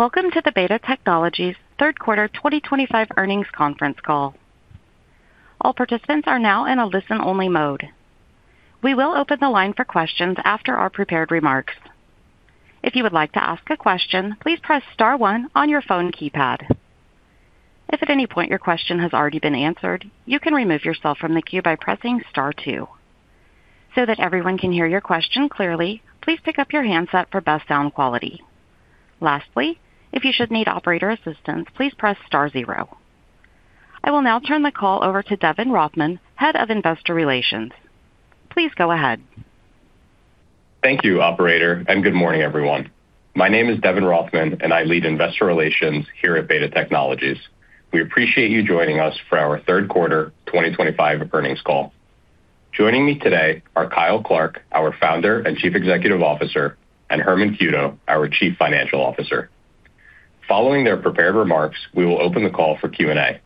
Welcome to the BETA Technologies third quarter 2025 earnings conference call. All participants are now in a listen-only mode. We will open the line for questions after our prepared remarks. If you would like to ask a question, please press star one on your phone keypad. If at any point your question has already been answered, you can remove yourself from the queue by pressing star two. So that everyone can hear your question clearly, please pick up your handset for best sound quality. Lastly, if you should need operator assistance, please press star zero. I will now turn the call over to Devin Rothman, Head of Investor Relations. Please go ahead. Thank you, operator, and good morning, everyone. My name is Devin Rothman, and I lead investor relations here at BETA Technologies. We appreciate you joining us for our third quarter 2025 earnings call. Joining me today are Kyle Clark, our Founder and Chief Executive Officer, and Herman Cueto, our Chief Financial Officer. Following their prepared remarks, we will open the call for Q&A.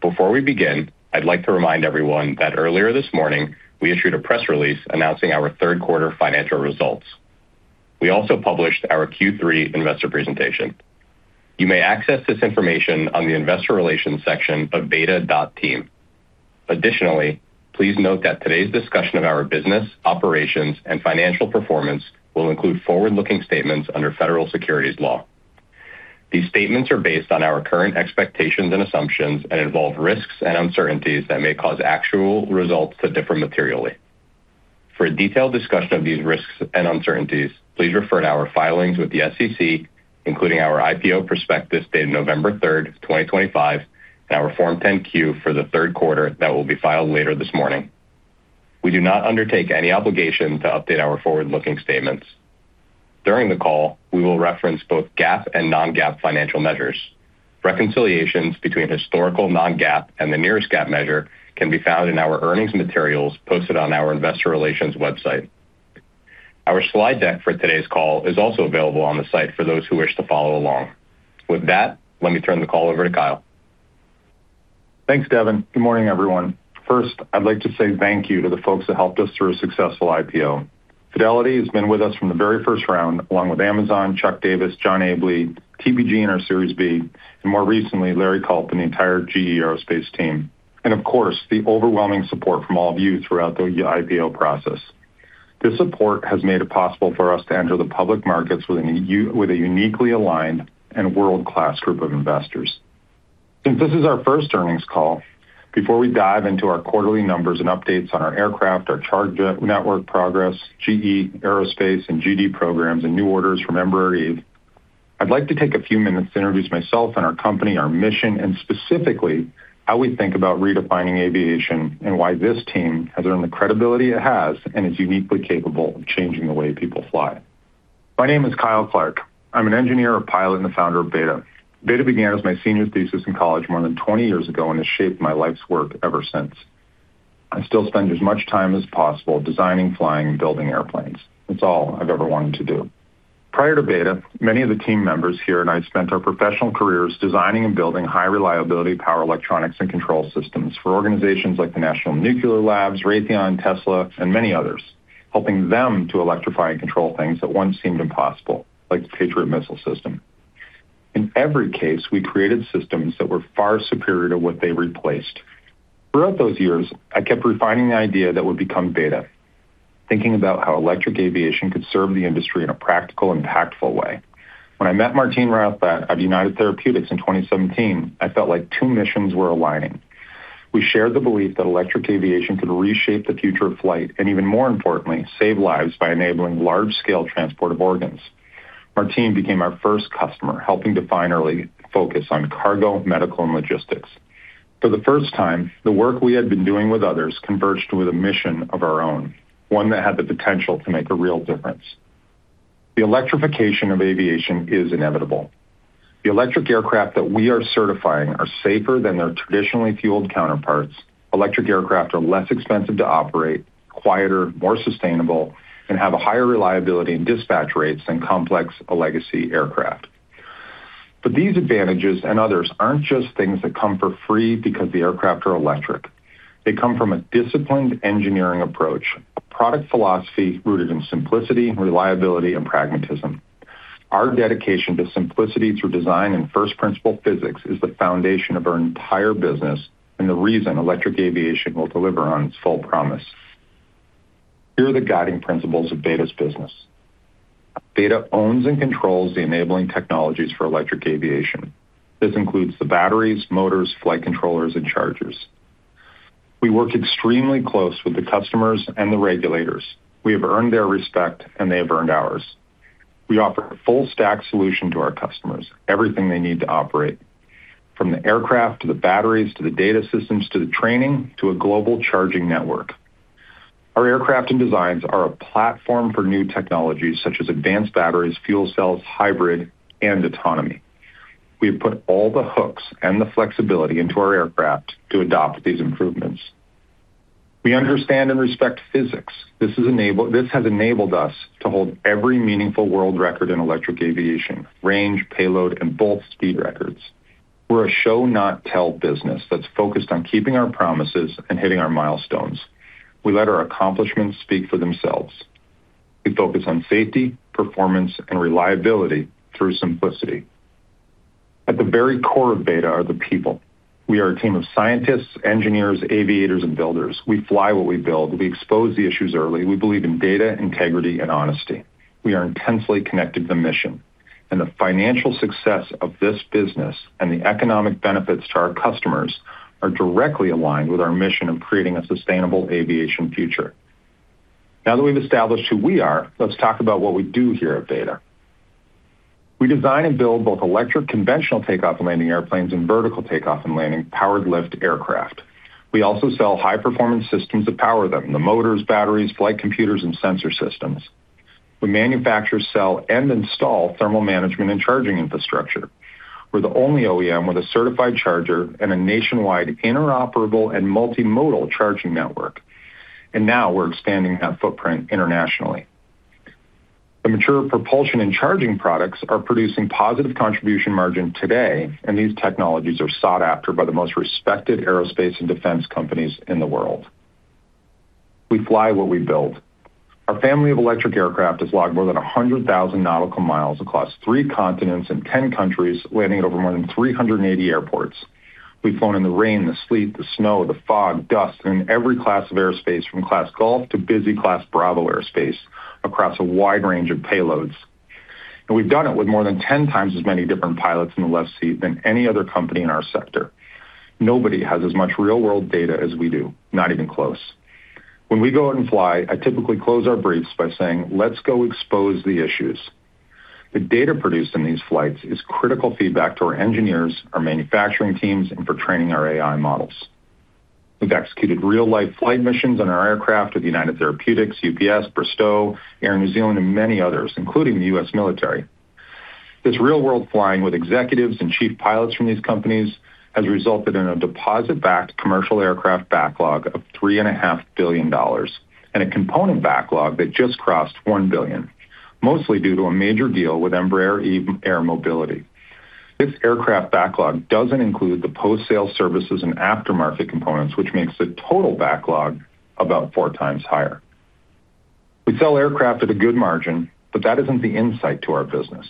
Before we begin, I'd like to remind everyone that earlier this morning we issued a press release announcing our third quarter financial results. We also published our Q3 investor presentation. You may access this information on the Investor Relations section of beta.team. Additionally, please note that today's discussion of our business, operations, and financial performance will include forward-looking statements under federal securities law. These statements are based on our current expectations and assumptions and involve risks and uncertainties that may cause actual results to differ materially. For a detailed discussion of these risks and uncertainties, please refer to our filings with the SEC, including our IPO prospectus dated November 3rd, 2025, and our Form 10-Q for the third quarter that will be filed later this morning. We do not undertake any obligation to update our forward-looking statements. During the call, we will reference both GAAP and non-GAAP financial measures. Reconciliations between historical non-GAAP and the nearest GAAP measure can be found in our earnings materials posted on our Investor Relations website. Our slide deck for today's call is also available on the site for those who wish to follow along. With that, let me turn the call over to Kyle. Thanks, Devin. Good morning, everyone. First, I'd like to say thank you to the folks that helped us through a successful IPO. Fidelity has been with us from the very first round, along with Amazon, Chuck Davis, John Abele, TPG in our Series B, and more recently, Larry Culp and the entire GE Aerospace team, and of course, the overwhelming support from all of you throughout the IPO process. This support has made it possible for us to enter the public markets with a uniquely aligned and world-class group of investors. Since this is our first earnings call, before we dive into our quarterly numbers and updates on our aircraft, our charger network progress, GE Aerospace, and GD programs, and new orders from Embraer Eve, I'd like to take a few minutes to introduce myself and our company, our mission, and specifically how we think about redefining aviation and why this team has earned the credibility it has and is uniquely capable of changing the way people fly. My name is Kyle Clark. I'm an engineer, a pilot, and the founder of BETA. BETA began as my senior thesis in college more than 20 years ago and has shaped my life's work ever since. I still spend as much time as possible designing, flying, and building airplanes. It's all I've ever wanted to do. Prior to BETA, many of the team members here and I spent our professional careers designing and building high-reliability power electronics and control systems for organizations like the National Nuclear Laboratories, Raytheon, Tesla, and many others, helping them to electrify and control things that once seemed impossible, like the Patriot missile system. In every case, we created systems that were far superior to what they replaced. Throughout those years, I kept refining the idea that would become BETA, thinking about how electric aviation could serve the industry in a practical, impactful way. When I met Martine Rothblatt of United Therapeutics in 2017, I felt like two missions were aligning. We shared the belief that electric aviation could reshape the future of flight and, even more importantly, save lives by enabling large-scale transport of organs. Martine became our first customer, helping to finally focus on cargo, medical, and logistics. For the first time, the work we had been doing with others converged with a mission of our own, one that had the potential to make a real difference. The electrification of aviation is inevitable. The electric aircraft that we are certifying are safer than their traditionally fueled counterparts. Electric aircraft are less expensive to operate, quieter, more sustainable, and have a higher reliability and dispatch rates than complex legacy aircraft. But these advantages and others aren't just things that come for free because the aircraft are electric. They come from a disciplined engineering approach, a product philosophy rooted in simplicity, reliability, and pragmatism. Our dedication to simplicity through design and first-principles physics is the foundation of our entire business and the reason electric aviation will deliver on its full promise. Here are the guiding principles of BETA's business. BETA owns and controls the enabling technologies for electric aviation. This includes the batteries, motors, flight controllers, and chargers. We work extremely close with the customers and the regulators. We have earned their respect, and they have earned ours. We offer a full-stack solution to our customers, everything they need to operate, from the aircraft to the batteries to the data systems to the training to a global charging network. Our aircraft and designs are a platform for new technologies such as advanced batteries, fuel cells, hybrid, and autonomy. We have put all the hooks and the flexibility into our aircraft to adopt these improvements. We understand and respect physics. This has enabled us to hold every meaningful world record in electric aviation: range, payload, and both speed records. We're a show-not-tell business that's focused on keeping our promises and hitting our milestones. We let our accomplishments speak for themselves. We focus on safety, performance, and reliability through simplicity. At the very core of BETA are the people. We are a team of scientists, engineers, aviators, and builders. We fly what we build. We expose the issues early. We believe in data, integrity, and honesty. We are intensely connected to the mission, and the financial success of this business and the economic benefits to our customers are directly aligned with our mission of creating a sustainable aviation future. Now that we've established who we are, let's talk about what we do here at BETA. We design and build both electric conventional takeoff and landing airplanes and vertical takeoff and landing powered lift aircraft. We also sell high-performance systems that power them: the motors, batteries, flight computers, and sensor systems. We manufacture, sell, and install thermal management and charging infrastructure. We're the only OEM with a certified charger and a nationwide interoperable and multimodal charging network. And now we're expanding that footprint internationally. The mature propulsion and charging products are producing positive contribution margin today, and these technologies are sought after by the most respected aerospace and defense companies in the world. We fly what we build. Our family of electric aircraft has logged more than 100,000 nautical miles across three continents and 10 countries, landing at over more than 380 airports. We've flown in the rain, the sleet, the snow, the fog, dust, and in every class of airspace, from Class Gulf to busy Class Bravo airspace, across a wide range of payloads. And we've done it with more than 10 times as many different pilots in the left seat than any other company in our sector. Nobody has as much real-world data as we do, not even close. When we go out and fly, I typically close our briefs by saying, "Let's go expose the issues." The data produced in these flights is critical feedback to our engineers, our manufacturing teams, and for training our AI models. We've executed real-life flight missions on our aircraft with United Therapeutics, UPS, Bristow, Air New Zealand, and many others, including the U.S. military. This real-world flying with executives and chief pilots from these companies has resulted in a deposit-backed commercial aircraft backlog of $3.5 billion and a component backlog that just crossed $1 billion, mostly due to a major deal with Embraer Eve Air Mobility. This aircraft backlog doesn't include the post-sale services and aftermarket components, which makes the total backlog about four times higher. We sell aircraft at a good margin, but that isn't the insight to our business.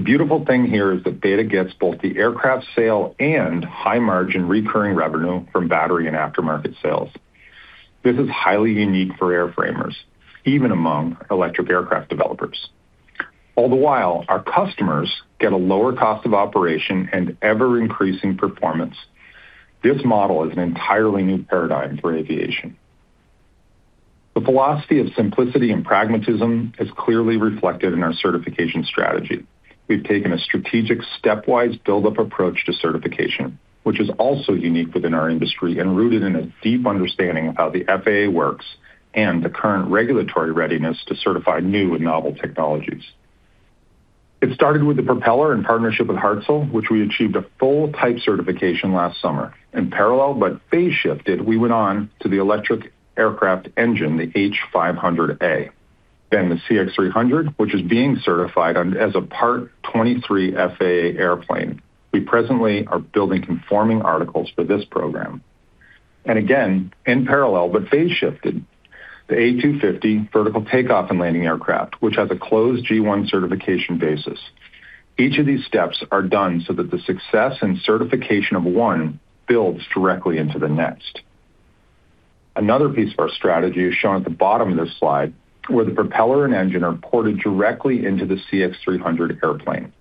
The beautiful thing here is that BETA gets both the aircraft sale and high-margin recurring revenue from battery and aftermarket sales. This is highly unique for airframers, even among electric aircraft developers. All the while, our customers get a lower cost of operation and ever-increasing performance. This model is an entirely new paradigm for aviation. The philosophy of simplicity and pragmatism is clearly reflected in our certification strategy. We've taken a strategic stepwise build-up approach to certification, which is also unique within our industry and rooted in a deep understanding of how the FAA works and the current regulatory readiness to certify new and novel technologies. It started with the propeller in partnership with Hartzell, which we achieved a full-type certification last summer. In parallel, but phase-shifted, we went on to the electric aircraft engine, the H500A, then the CX-300, which is being certified as a Part 23 FAA airplane. We presently are building conforming articles for this program, and again, in parallel, but phase-shifted, the A250 vertical takeoff and landing aircraft, which has a closed G-1 certification basis. Each of these steps are done so that the success and certification of one builds directly into the next. Another piece of our strategy is shown at the bottom of this slide, where the propeller and engine are ported directly into the CX300 airplane,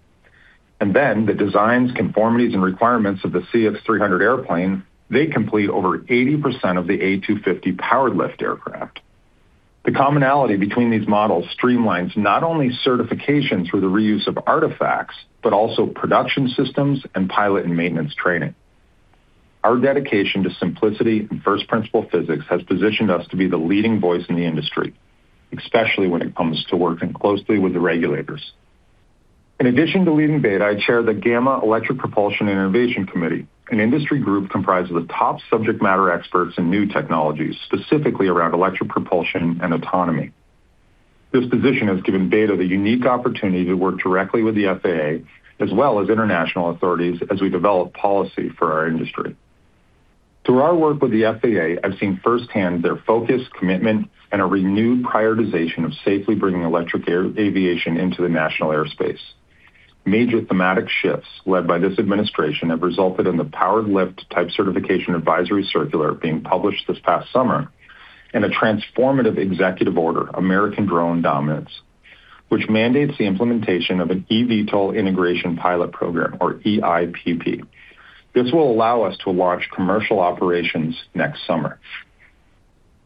and then the designs, conformities, and requirements of the CX300 airplane, they complete over 80% of the A250 powered lift aircraft. The commonality between these models streamlines not only certification through the reuse of artifacts, but also production systems and pilot and maintenance training. Our dedication to simplicity and first-principle physics has positioned us to be the leading voice in the industry, especially when it comes to working closely with the regulators. In addition to leading BETA, I chair the GAMA Electric Propulsion and Innovation Committee, an industry group comprised of the top subject matter experts in new technologies, specifically around electric propulsion and autonomy. This position has given BETA the unique opportunity to work directly with the FAA, as well as international authorities, as we develop policy for our industry. Through our work with the FAA, I've seen firsthand their focus, commitment, and a renewed prioritization of safely bringing electric aviation into the national airspace. Major thematic shifts led by this administration have resulted in the Powered Lift type certification advisory circular being published this past summer and a transformative executive order, American Drone Dominance, which mandates the implementation of an eVTOL integration pilot program, or EIPP. This will allow us to launch commercial operations next summer.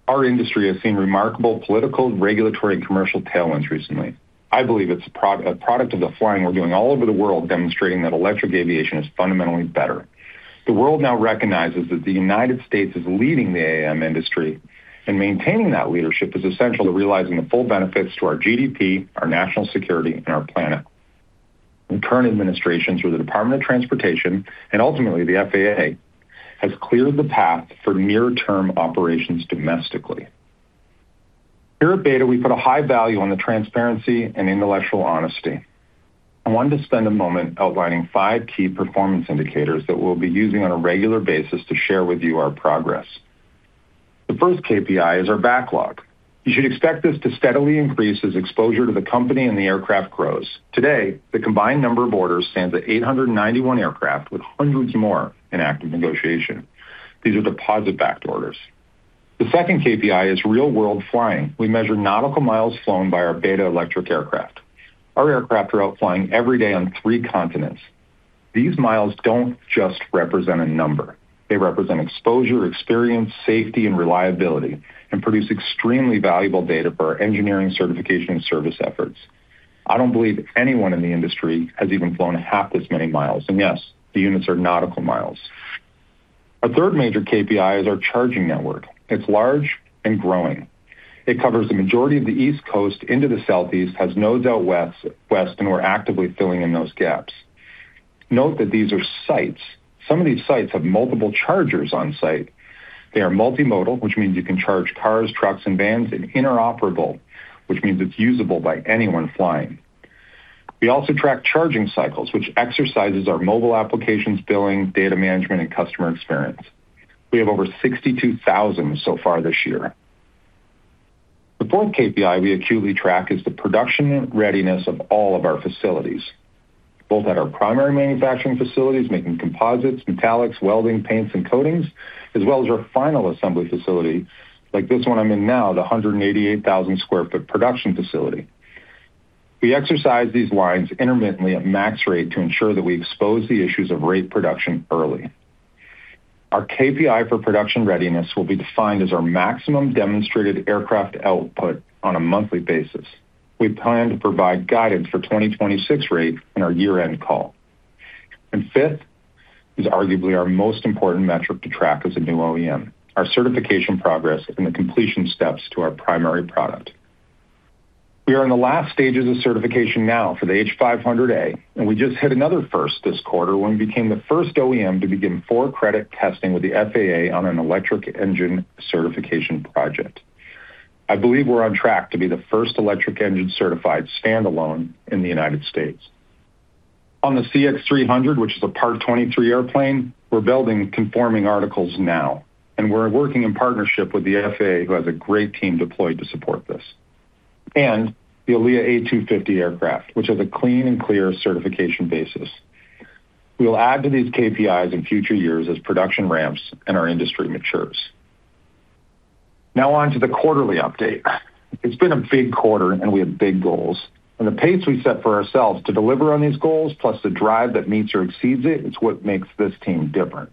Our industry has seen remarkable political, regulatory, and commercial tailwinds recently. I believe it's a product of the flying we're doing all over the world, demonstrating that electric aviation is fundamentally better. The world now recognizes that the United States is leading the AAM industry, and maintaining that leadership is essential to realizing the full benefits to our GDP, our national security, and our planet. The current administration, through the Department of Transportation and ultimately the FAA, has cleared the path for near-term operations domestically. Here at BETA, we put a high value on the transparency and intellectual honesty. I wanted to spend a moment outlining five key performance indicators that we'll be using on a regular basis to share with you our progress. The first KPI is our backlog. You should expect this to steadily increase as exposure to the company and the aircraft grows. Today, the combined number of orders stands at 891 aircraft, with hundreds more in active negotiation. These are deposit-backed orders. The second KPI is real-world flying. We measure nautical miles flown by our BETA electric aircraft. Our aircraft are out flying every day on three continents. These miles don't just represent a number. They represent exposure, experience, safety, and reliability, and produce extremely valuable data for our engineering, certification, and service efforts. I don't believe anyone in the industry has even flown half this many miles. And yes, the units are nautical miles. Our third major KPI is our charging network. It's large and growing. It covers the majority of the East Coast into the Southeast, has nodes out west, and we're actively filling in those gaps. Note that these are sites. Some of these sites have multiple chargers on site. They are multimodal, which means you can charge cars, trucks, and vans, and interoperable, which means it's usable by anyone flying. We also track charging cycles, which exercises our mobile applications, billing, data management, and customer experience. We have over 62,000 so far this year. The fourth KPI we acutely track is the production readiness of all of our facilities, both at our primary manufacturing facilities, making composites, metallics, welding, paints, and coatings, as well as our final assembly facility, like this one I'm in now, the 188,000 sq ft production facility. We exercise these lines intermittently at max rate to ensure that we expose the issues of rate production early. Our KPI for production readiness will be defined as our maximum demonstrated aircraft output on a monthly basis. We plan to provide guidance for 2026 rate in our year-end call. Fifth is arguably our most important metric to track as a new OEM: our certification progress and the completion steps to our primary product. We are in the last stages of certification now for the H500A, and we just hit another first this quarter when we became the first OEM to begin four-credit testing with the FAA on an electric engine certification project. I believe we're on track to be the first electric engine certified standalone in the United States. On the CX300, which is a Part 23 airplane, we're building conforming articles now, and we're working in partnership with the FAA, who has a great team deployed to support this, and the ALIA A250 aircraft, which has a clean and clear certification basis. We'll add to these KPIs in future years as production ramps and our industry matures. Now on to the quarterly update. It's been a big quarter, and we have big goals. And the pace we set for ourselves to deliver on these goals, plus the drive that meets or exceeds it, it's what makes this team different.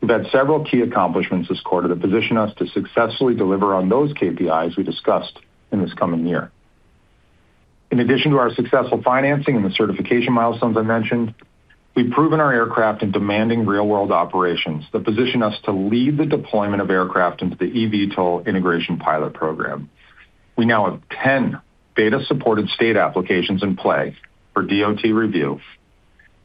We've had several key accomplishments this quarter that position us to successfully deliver on those KPIs we discussed in this coming year. In addition to our successful financing and the certification milestones I mentioned, we've proven our aircraft in demanding real-world operations that position us to lead the deployment of aircraft into the eVTOL integration pilot program. We now have 10 BETA-supported state applications in play for DOT review,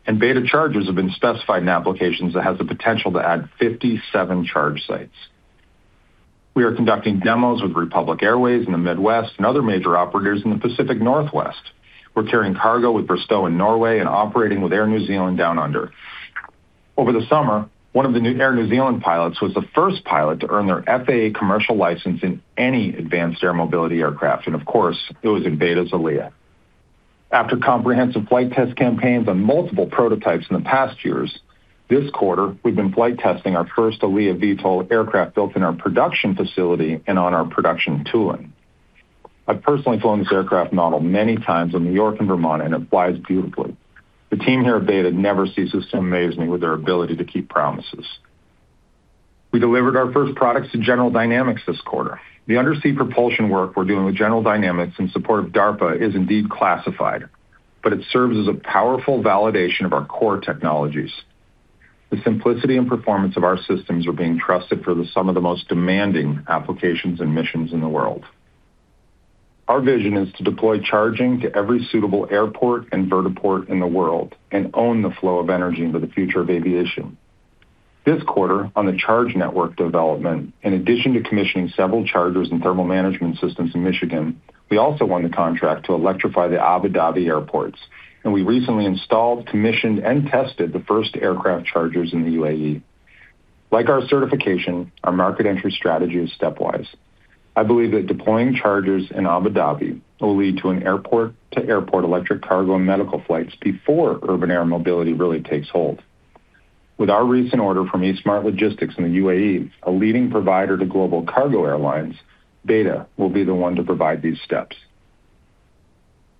and BETA chargers have been specified in applications that have the potential to add 57 charge sites. We are conducting demos with Republic Airways in the Midwest and other major operators in the Pacific Northwest. We're carrying cargo with Bristow in Norway and operating with Air New Zealand down under. Over the summer, one of the new Air New Zealand pilots was the first pilot to earn their FAA commercial license in any advanced air mobility aircraft, and of course, it was in BETA's ALIA. After comprehensive flight test campaigns on multiple prototypes in the past years, this quarter, we've been flight testing our first ALIA VTOL aircraft built in our production facility and on our production tooling. I've personally flown this aircraft model many times in New York and Vermont, and it flies beautifully. The team here at BETA never ceases to amaze me with their ability to keep promises. We delivered our first products to General Dynamics this quarter. The undersea propulsion work we're doing with General Dynamics in support of DARPA is indeed classified, but it serves as a powerful validation of our core technologies. The simplicity and performance of our systems are being trusted for some of the most demanding applications and missions in the world. Our vision is to deploy charging to every suitable airport and vertiport in the world and own the flow of energy into the future of aviation. This quarter, on the charge network development, in addition to commissioning several chargers and thermal management systems in Michigan, we also won the contract to electrify the Abu Dhabi airports, and we recently installed, commissioned, and tested the first aircraft chargers in the UAE. Like our certification, our market entry strategy is stepwise. I believe that deploying chargers in Abu Dhabi will lead to an airport-to-airport electric cargo and medical flights before urban air mobility really takes hold. With our recent order from e-Smart Logistics in the UAE, a leading provider to global cargo airlines, BETA will be the one to provide these steps.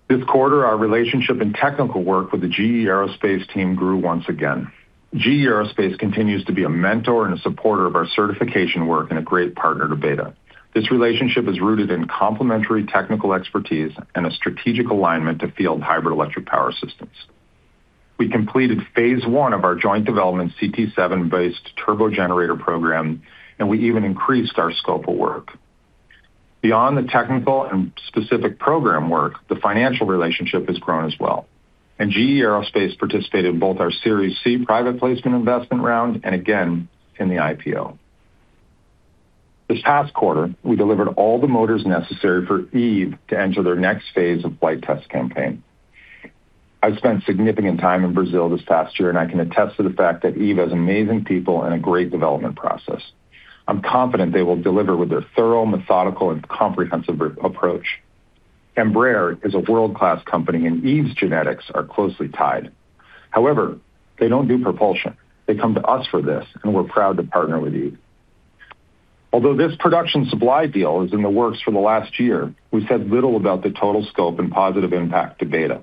This quarter, our relationship and technical work with the GE Aerospace team grew once again. GE Aerospace continues to be a mentor and a supporter of our certification work and a great partner to BETA. This relationship is rooted in complementary technical expertise and a strategic alignment to field hybrid electric power systems. We completed phase one of our joint development CT7-based turbogenerator program, and we even increased our scope of work. Beyond the technical and specific program work, the financial relationship has grown as well, and GE Aerospace participated in both our Series C private placement investment round and, again, in the IPO. This past quarter, we delivered all the motors necessary for EVE to enter their next phase of flight test campaign. I've spent significant time in Brazil this past year, and I can attest to the fact that EVE has amazing people and a great development process. I'm confident they will deliver with their thorough, methodical, and comprehensive approach. Embraer is a world-class company, and EVE's genetics are closely tied. However, they don't do propulsion. They come to us for this, and we're proud to partner with EVE. Although this production supply deal is in the works for the last year, we've said little about the total scope and positive impact to BETA.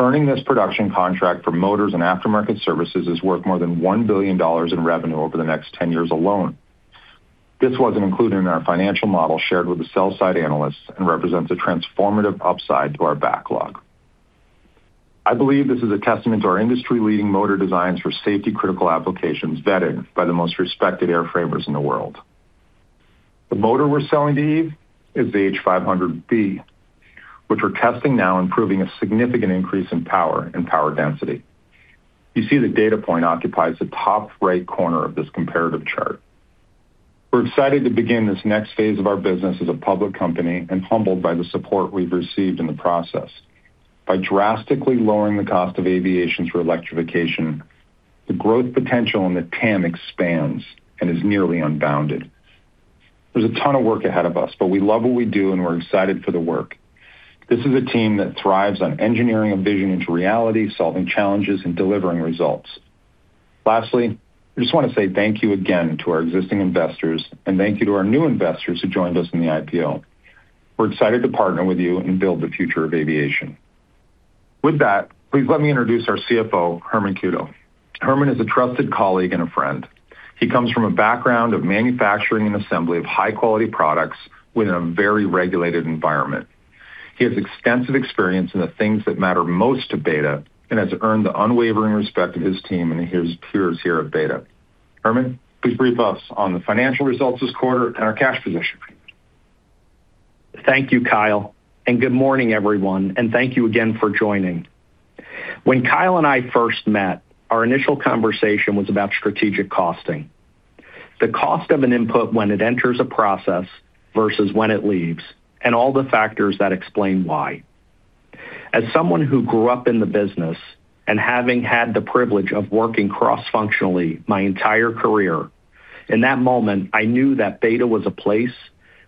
Earning this production contract for motors and aftermarket services is worth more than $1 billion in revenue over the next 10 years alone. This wasn't included in our financial model shared with the sell-side analysts and represents a transformative upside to our backlog. I believe this is a testament to our industry-leading motor designs for safety-critical applications vetted by the most respected airframers in the world. The motor we're selling to EVE is the H500B, which we're testing now, improving a significant increase in power and power density. You see the data point occupies the top right corner of this comparative chart. We're excited to begin this next phase of our business as a public company and humbled by the support we've received in the process. By drastically lowering the cost of aviation through electrification, the growth potential in the TAM expands and is nearly unbounded. There's a ton of work ahead of us, but we love what we do, and we're excited for the work. This is a team that thrives on engineering a vision into reality, solving challenges, and delivering results. Lastly, I just want to say thank you again to our existing investors, and thank you to our new investors who joined us in the IPO. We're excited to partner with you and build the future of aviation. With that, please let me introduce our CFO, Herman Cueto. Herman is a trusted colleague and a friend. He comes from a background of manufacturing and assembly of high-quality products within a very regulated environment. He has extensive experience in the things that matter most to BETA and has earned the unwavering respect of his team and his peers here at BETA. Herman, please brief us on the financial results this quarter and our cash position. Thank you, Kyle, and good morning, everyone, and thank you again for joining. When Kyle and I first met, our initial conversation was about strategic costing: the cost of an input when it enters a process versus when it leaves, and all the factors that explain why. As someone who grew up in the business and having had the privilege of working cross-functionally my entire career, in that moment, I knew that BETA was a place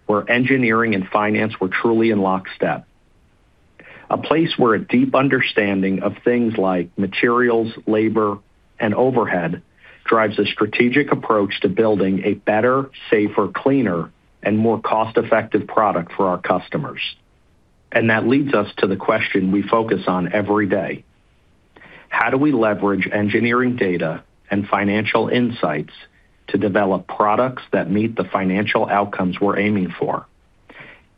where engineering and finance were truly in lockstep. A place where a deep understanding of things like materials, labor, and overhead drives a strategic approach to building a better, safer, cleaner, and more cost-effective product for our customers. And that leads us to the question we focus on every day: how do we leverage engineering data and financial insights to develop products that meet the financial outcomes we're aiming for?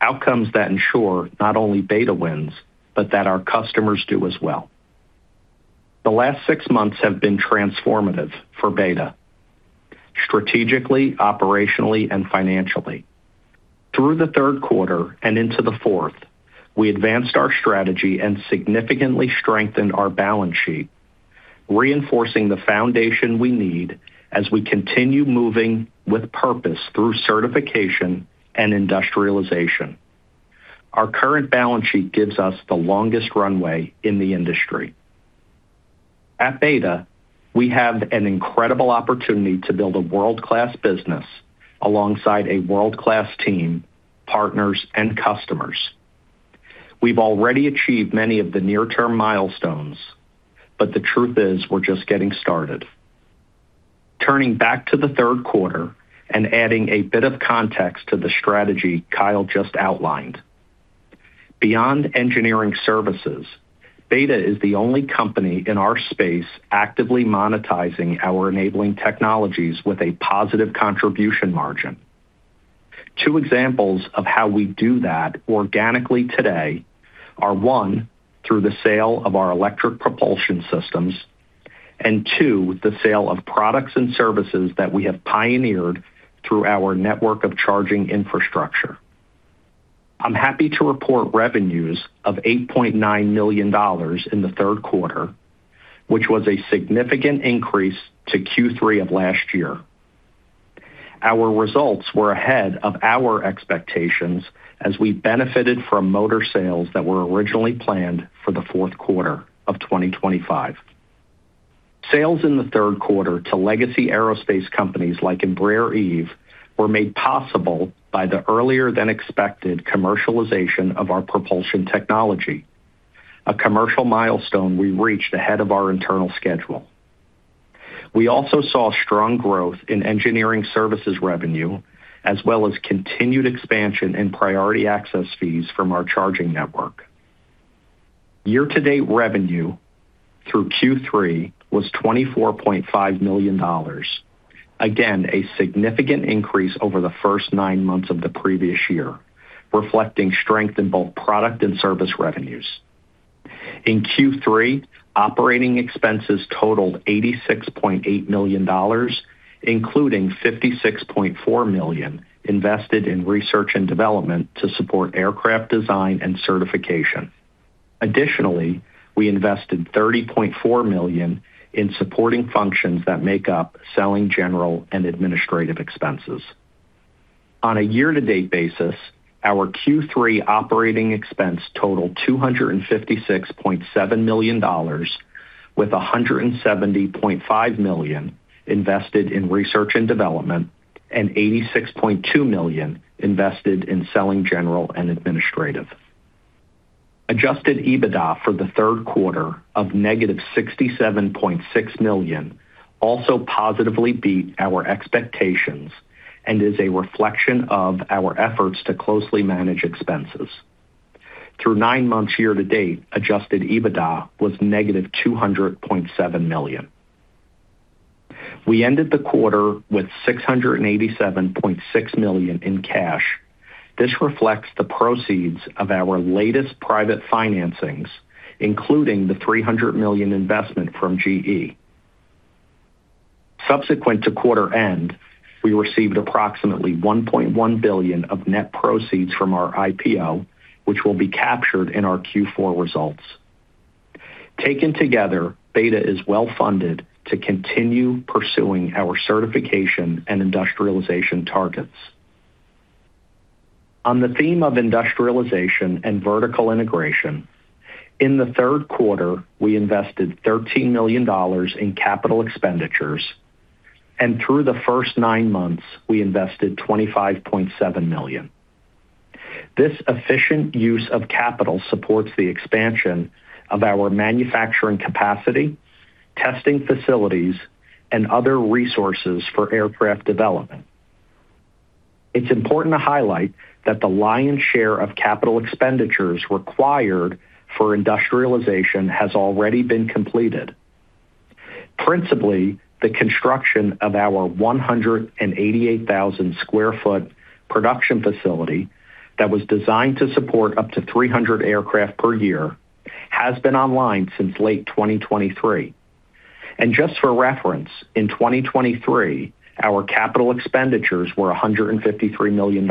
Outcomes that ensure not only BETA wins, but that our customers do as well. The last six months have been transformative for BETA: strategically, operationally, and financially. Through the third quarter and into the fourth, we advanced our strategy and significantly strengthened our balance sheet, reinforcing the foundation we need as we continue moving with purpose through certification and industrialization. Our current balance sheet gives us the longest runway in the industry. At BETA, we have an incredible opportunity to build a world-class business alongside a world-class team, partners, and customers. We've already achieved many of the near-term milestones, but the truth is we're just getting started. Turning back to the third quarter and adding a bit of context to the strategy Kyle just outlined, beyond engineering services, BETA is the only company in our space actively monetizing our enabling technologies with a positive contribution margin. Two examples of how we do that organically today are, one, through the sale of our electric propulsion systems, and two, the sale of products and services that we have pioneered through our network of charging infrastructure. I'm happy to report revenues of $8.9 million in the third quarter, which was a significant increase to Q3 of last year. Our results were ahead of our expectations as we benefited from motor sales that were originally planned for the fourth quarter of 2025. Sales in the third quarter to legacy aerospace companies like Embraer Eve were made possible by the earlier-than-expected commercialization of our propulsion technology, a commercial milestone we reached ahead of our internal schedule. We also saw strong growth in engineering services revenue, as well as continued expansion in priority access fees from our charging network. Year-to-date revenue through Q3 was $24.5 million, again a significant increase over the first nine months of the previous year, reflecting strength in both product and service revenues. In Q3, operating expenses totaled $86.8 million, including $56.4 million invested in research and development to support aircraft design and certification. Additionally, we invested $30.4 million in supporting functions that make up selling general and administrative expenses. On a year-to-date basis, our Q3 operating expense totaled $256.7 million, with $170.5 million invested in research and development and $86.2 million invested in selling general and administrative. Adjusted EBITDA for the third quarter of negative $67.6 million also positively beat our expectations and is a reflection of our efforts to closely manage expenses. Through nine months year-to-date, adjusted EBITDA was negative $200.7 million. We ended the quarter with $687.6 million in cash. This reflects the proceeds of our latest private financings, including the $300 million investment from GE. Subsequent to quarter end, we received approximately $1.1 billion of net proceeds from our IPO, which will be captured in our Q4 results. Taken together, BETA is well-funded to continue pursuing our certification and industrialization targets. On the theme of industrialization and vertical integration, in the third quarter, we invested $13 million in capital expenditures, and through the first nine months, we invested $25.7 million. This efficient use of capital supports the expansion of our manufacturing capacity, testing facilities, and other resources for aircraft development. It's important to highlight that the lion's share of capital expenditures required for industrialization has already been completed. Principally, the construction of our 188,000-sq-ft production facility that was designed to support up to 300 aircraft per year has been online since late 2023, and just for reference, in 2023, our capital expenditures were $153 million,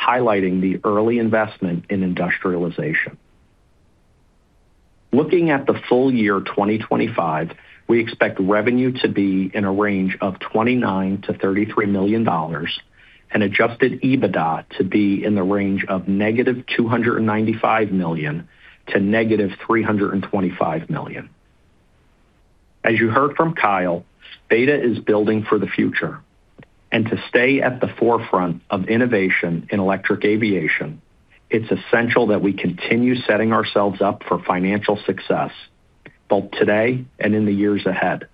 highlighting the early investment in industrialization. Looking at the full year 2025, we expect revenue to be in a range of $29-$33 million and Adjusted EBITDA to be in the range of negative $295-$325 million. As you heard from Kyle, BETA is building for the future, and to stay at the forefront of innovation in electric aviation, it's essential that we continue setting ourselves up for financial success, both today and in the years ahead.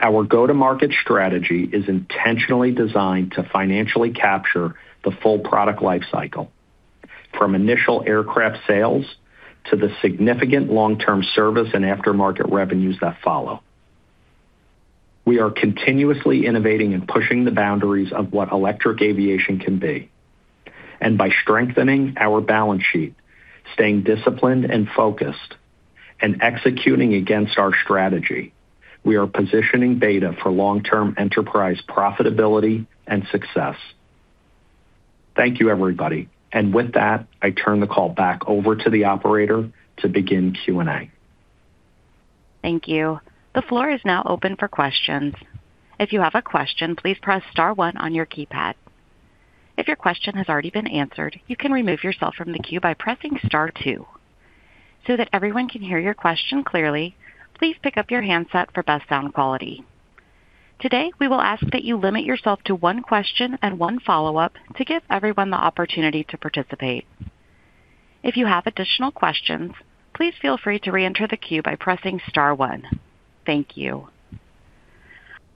Our go-to-market strategy is intentionally designed to financially capture the full product lifecycle, from initial aircraft sales to the significant long-term service and aftermarket revenues that follow. We are continuously innovating and pushing the boundaries of what electric aviation can be, and by strengthening our balance sheet, staying disciplined and focused, and executing against our strategy, we are positioning BETA for long-term enterprise profitability and success. Thank you, everybody, and with that, I turn the call back over to the operator to begin Q&A. Thank you. The floor is now open for questions. If you have a question, please press star one on your keypad. If your question has already been answered, you can remove yourself from the queue by pressing star two. So that everyone can hear your question clearly, please pick up your handset for best sound quality. Today, we will ask that you limit yourself to one question and one follow-up to give everyone the opportunity to participate. If you have additional questions, please feel free to re-enter the queue by pressing star one. Thank you.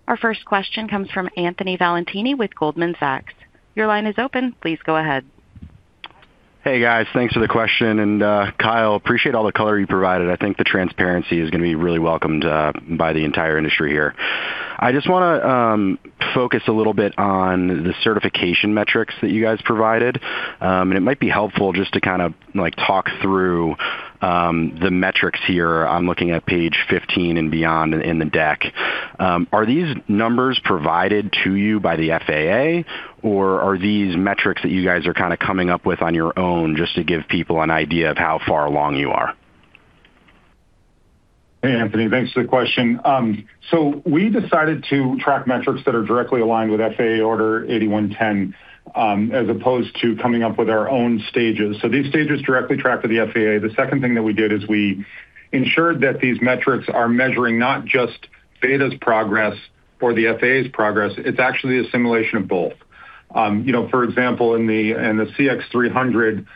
Our first question comes from Anthony Valentini with Goldman Sachs. Your line is open. Please go ahead. Hey, guys. Thanks for the question. And Kyle, appreciate all the color you provided. I think the transparency is going to be really welcomed by the entire industry here. I just want to focus a little bit on the certification metrics that you guys provided. And it might be helpful just to kind of talk through the metrics here. I'm looking at page 15 and beyond in the deck. Are these numbers provided to you by the FAA, or are these metrics that you guys are kind of coming up with on your own just to give people an idea of how far along you are? Hey, Anthony. Thanks for the question. So we decided to track metrics that are directly aligned with FAA order 8110 as opposed to coming up with our own stages. So these stages directly track to the FAA. The second thing that we did is we ensured that these metrics are measuring not just BETA's progress or the FAA's progress. It's actually a simulation of both. For example, in the CX300,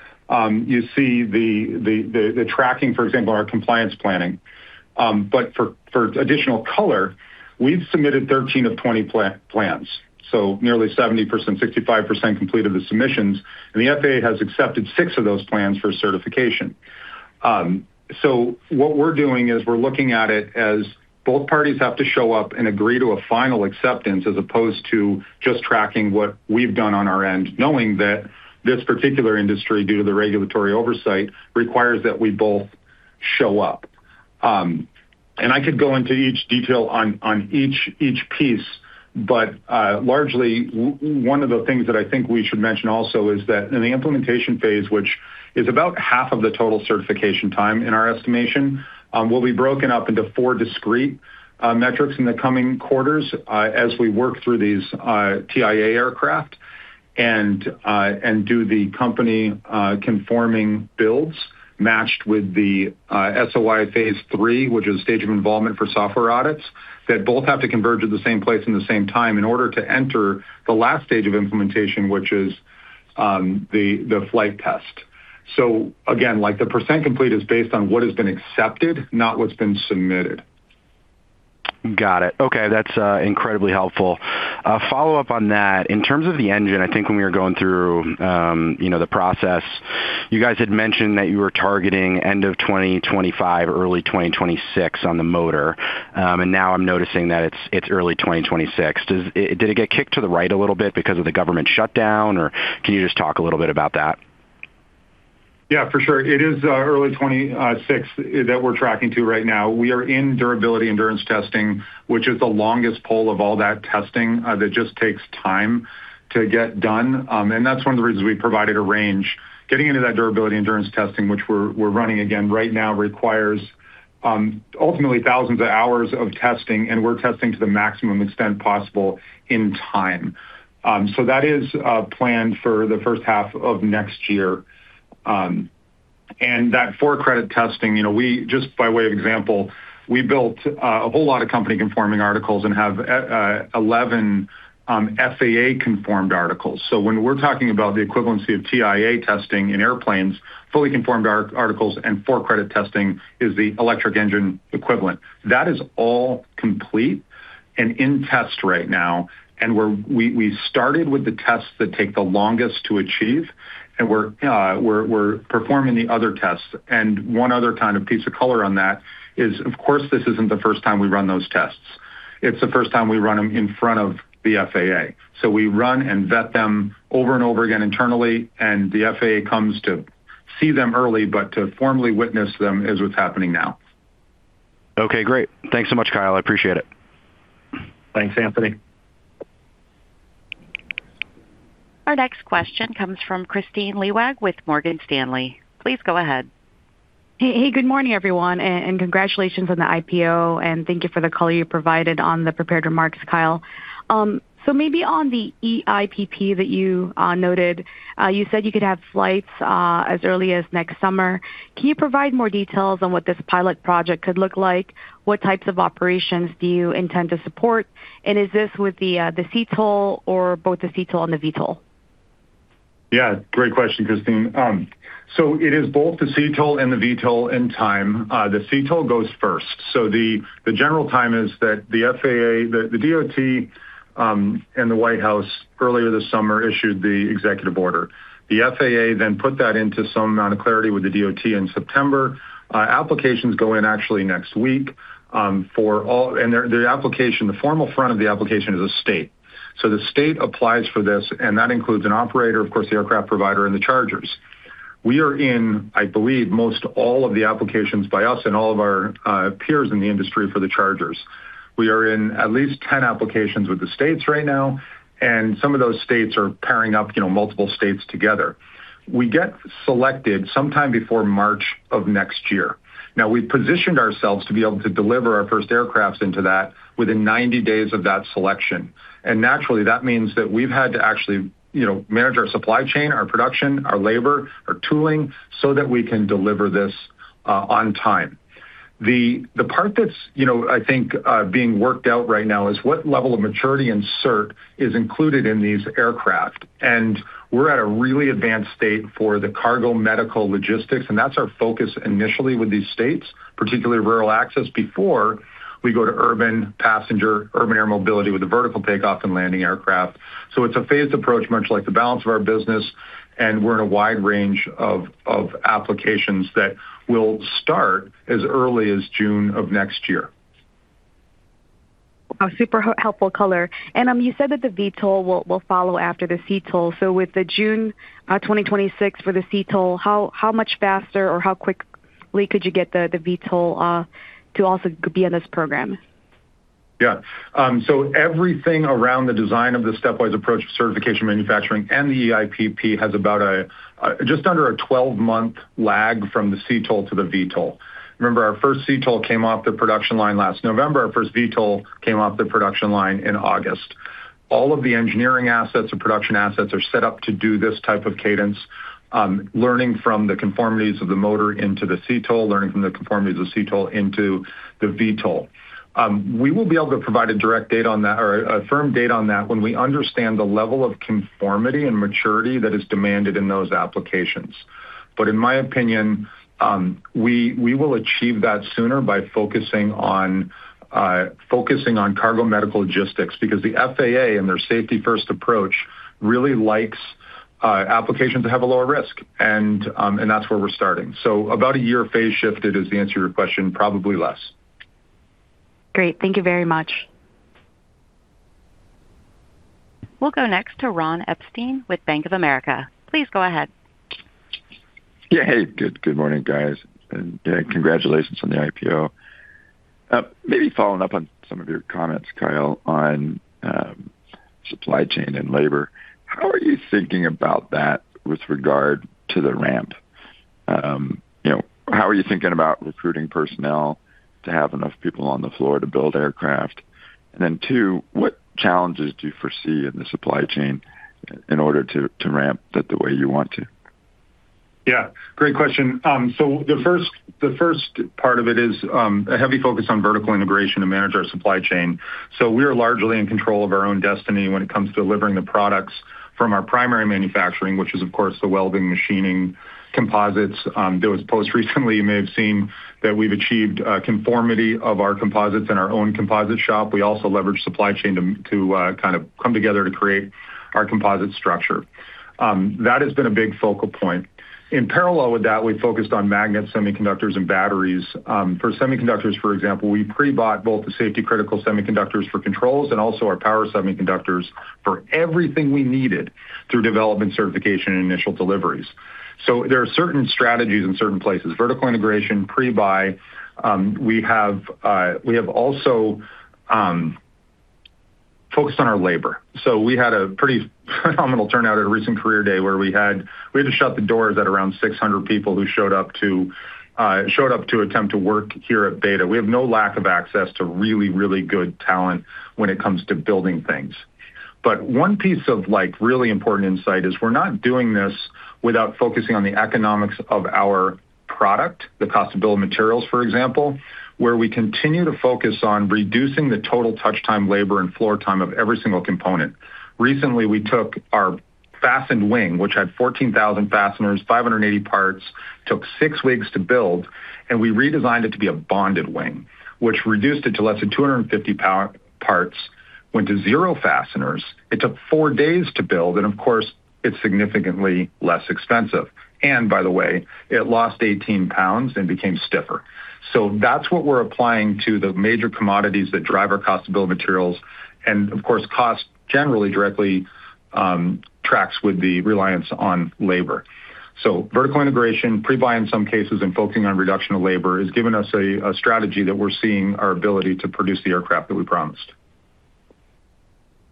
you see the tracking, for example, in our compliance planning. But for additional color, we've submitted 13 of 20 plans. So nearly 70%, 65% completed the submissions, and the FAA has accepted six of those plans for certification. So what we're doing is we're looking at it as both parties have to show up and agree to a final acceptance as opposed to just tracking what we've done on our end, knowing that this particular industry, due to the regulatory oversight, requires that we both show up. I could go into each detail on each piece, but largely, one of the things that I think we should mention also is that in the implementation phase, which is about half of the total certification time in our estimation, will be broken up into four discrete metrics in the coming quarters as we work through these TIA aircraft and do the company-conforming builds matched with the SOI phase three, which is a stage of involvement for software audits that both have to converge at the same place in the same time in order to enter the last stage of implementation, which is the flight test. So again, the percent complete is based on what has been accepted, not what's been submitted. Got it. Okay. That's incredibly helpful. Follow-up on that. In terms of the engine, I think when we were going through the process, you guys had mentioned that you were targeting end of 2025, early 2026 on the motor. And now I'm noticing that it's early 2026. Did it get kicked to the right a little bit because of the government shutdown, or can you just talk a little bit about that? Yeah, for sure. It is early 2026 that we're tracking to right now. We are in durability endurance testing, which is the longest pole of all that testing that just takes time to get done. And that's one of the reasons we provided a range. Getting into that durability endurance testing, which we're running again right now, requires ultimately thousands of hours of testing, and we're testing to the maximum extent possible in time. So that is planned for the first half of next year. And that four-credit testing, just by way of example, we built a whole lot of company-conforming articles and have 11 FAA-conformed articles. So when we're talking about the equivalency of TIA testing in airplanes, fully conformed articles, and four-credit testing is the electric engine equivalent. That is all complete and in test right now. And we started with the tests that take the longest to achieve, and we're performing the other tests. And one other kind of piece of color on that is, of course, this isn't the first time we run those tests. It's the first time we run them in front of the FAA. So we run and vet them over and over again internally, and the FAA comes to see them early, but to formally witness them is what's happening now. Okay. Great. Thanks so much, Kyle. I appreciate it. Thanks, Anthony. Our next question comes from Kristine Liwag with Morgan Stanley. Please go ahead. Hey, good morning, everyone. And congratulations on the IPO, and thank you for the color you provided on the prepared remarks, Kyle. So maybe on the EIPP that you noted, you said you could have flights as early as next summer. Can you provide more details on what this pilot project could look like? What types of operations do you intend to support? And is this with the CTOL or both the CTOL and the VTOL? Yeah. Great question, Kristine. So it is both the CTOL and the VTOL in time. The CTOL goes first. So the general time is that the FAA, the DOT, and the White House earlier this summer issued the executive order. The FAA then put that into some amount of clarity with the DOT in September. Applications go in actually next week. The formal front of the application is a state. So the state applies for this, and that includes an operator, of course, the aircraft provider, and the chargers. We are in, I believe, most all of the applications by us and all of our peers in the industry for the chargers. We are in at least 10 applications with the states right now, and some of those states are pairing up multiple states together. We get selected sometime before March of next year. Now, we've positioned ourselves to be able to deliver our first aircraft into that within 90 days of that selection. Naturally, that means that we've had to actually manage our supply chain, our production, our labor, our tooling so that we can deliver this on time. The part that's, I think, being worked out right now is what level of maturity and cert is included in these aircraft. We're at a really advanced state for the cargo medical logistics, and that's our focus initially with these states, particularly rural access, before we go to urban passenger, urban air mobility with the vertical takeoff and landing aircraft. It's a phased approach, much like the balance of our business, and we're in a wide range of applications that will start as early as June of next year. Wow. Super helpful color. You said that the VTOL will follow after the CTOL. With the June 2026 for the CTOL, how much faster or how quickly could you get the VTOL to also be in this program? Yeah. Everything around the design of the stepwise approach of certification manufacturing and the EIPP has about just under a 12-month lag from the CTOL to the VTOL. Remember, our first CTOL came off the production line last November. Our first VTOL came off the production line in August. All of the engineering assets and production assets are set up to do this type of cadence, learning from the conformities of the motor into the CTOL, learning from the conformities of the CTOL into the VTOL. We will be able to provide a direct date on that or a firm date on that when we understand the level of conformity and maturity that is demanded in those applications. But in my opinion, we will achieve that sooner by focusing on cargo medical logistics because the FAA and their safety-first approach really likes applications that have a lower risk, and that's where we're starting. So about a year phase shifted is the answer to your question, probably less. Great. Thank you very much. We'll go next to Ron Epstein with Bank of America. Please go ahead. Yeah. Hey, good morning, guys. And congratulations on the IPO. Maybe following up on some of your comments, Kyle, on supply chain and labor. How are you thinking about that with regard to the ramp? How are you thinking about recruiting personnel to have enough people on the floor to build aircraft? And then too, what challenges do you foresee in the supply chain in order to ramp that the way you want to? Yeah. Great question. So the first part of it is a heavy focus on vertical integration to manage our supply chain. So we are largely in control of our own destiny when it comes to delivering the products from our primary manufacturing, which is, of course, the welding, machining, composites. Those most recently, you may have seen that we've achieved conformity of our composites in our own composite shop. We also leverage supply chain to kind of come together to create our composite structure. That has been a big focal point. In parallel with that, we focused on magnets, semiconductors, and batteries. For semiconductors, for example, we pre-bought both the safety-critical semiconductors for controls and also our power semiconductors for everything we needed through development, certification, and initial deliveries. So there are certain strategies in certain places. Vertical integration, pre-buy. We have also focused on our labor. So we had a pretty phenomenal turnout at a recent career day where we had to shut the doors at around 600 people who showed up to attempt to work here at BETA. We have no lack of access to really, really good talent when it comes to building things. But one piece of really important insight is we're not doing this without focusing on the economics of our product, the cost of building materials, for example, where we continue to focus on reducing the total touch time labor and floor time of every single component. Recently, we took our fastened wing, which had 14,000 fasteners, 580 parts, took six weeks to build, and we redesigned it to be a bonded wing, which reduced it to less than 250 parts, went to zero fasteners. It took four days to build, and of course, it's significantly less expensive. And by the way, it lost 18 pounds and became stiffer. So that's what we're applying to the major commodities that drive our cost of building materials and, of course, cost generally directly tracks with the reliance on labor. So vertical integration, pre-buy in some cases, and focusing on reduction of labor has given us a strategy that we're seeing our ability to produce the aircraft that we promised.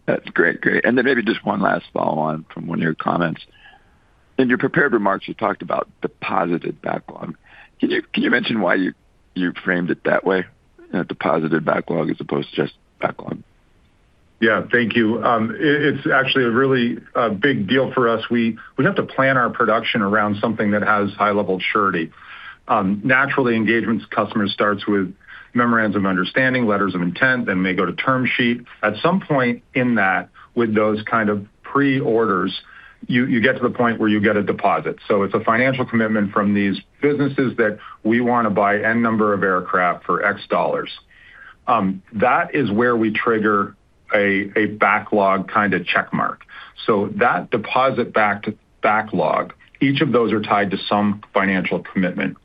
That's great. Great. And then maybe just one last follow-on from one of your comments. In your prepared remarks, you talked about deposited backlog. Can you mention why you framed it that way, deposited backlog as opposed to just backlog? Yeah. Thank you. It's actually a really big deal for us. We have to plan our production around something that has high-level surety. Naturally, engagement to customers starts with memorandum of understanding, letters of intent, then may go to term sheet. At some point in that, with those kind of pre-orders, you get to the point where you get a deposit. So it's a financial commitment from these businesses that we want to buy N number of aircraft for $X. That is where we trigger a backlog kind of checkmark. So that deposit-backed backlog, each of those are tied to some financial commitment.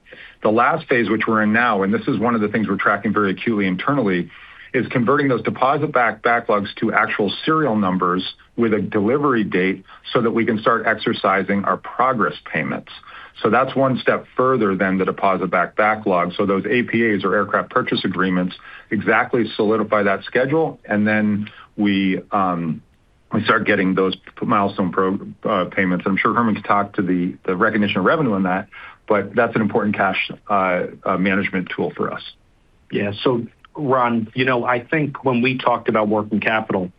The last phase, which we're in now, and this is one of the things we're tracking very acutely internally, is converting those deposit-backed backlogs to actual serial numbers with a delivery date so that we can start exercising our progress payments. So that's one step further than the deposit-backed backlog. So those APAs or aircraft purchase agreements exactly solidify that schedule, and then we start getting those milestone payments. I'm sure Herman can talk to the recognition of revenue on that, but that's an important cash management tool for us. Yeah. So Ron, I think when we talked about working capital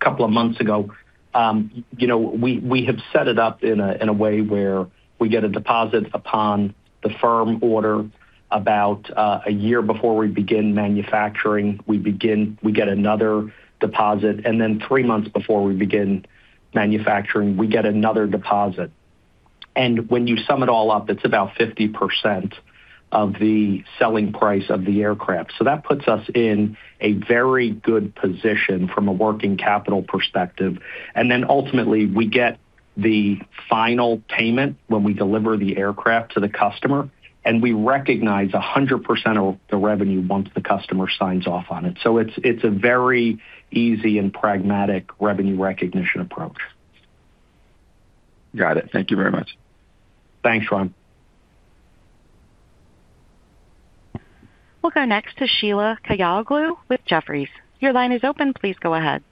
a couple of months ago, we have set it up in a way where we get a deposit upon the firm order about a year before we begin manufacturing. We get another deposit, and then three months before we begin manufacturing, we get another deposit. And when you sum it all up, it's about 50% of the selling price of the aircraft. So that puts us in a very good position from a working capital perspective. And then ultimately, we get the final payment when we deliver the aircraft to the customer, and we recognize 100% of the revenue once the customer signs off on it. So it's a very easy and pragmatic revenue recognition approach. Got it. Thank you very much. Thanks, Ron. We'll go next to Sheila Kahyaoglu with Jefferies. Your line is open. Please go ahead.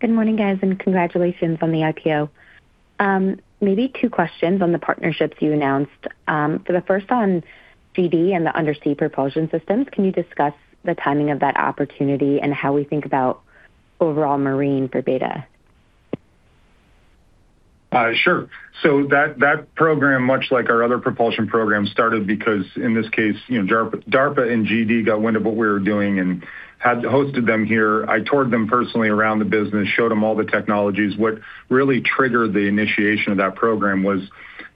Good morning, guys, and congratulations on the IPO. Maybe two questions on the partnerships you announced. For the first on GD and the undersea propulsion systems, can you discuss the timing of that opportunity and how we think about overall marine for BETA? Sure. So that program, much like our other propulsion program, started because, in this case, DARPA and GD got wind of what we were doing and had hosted them here. I toured them personally around the business, showed them all the technologies. What really triggered the initiation of that program was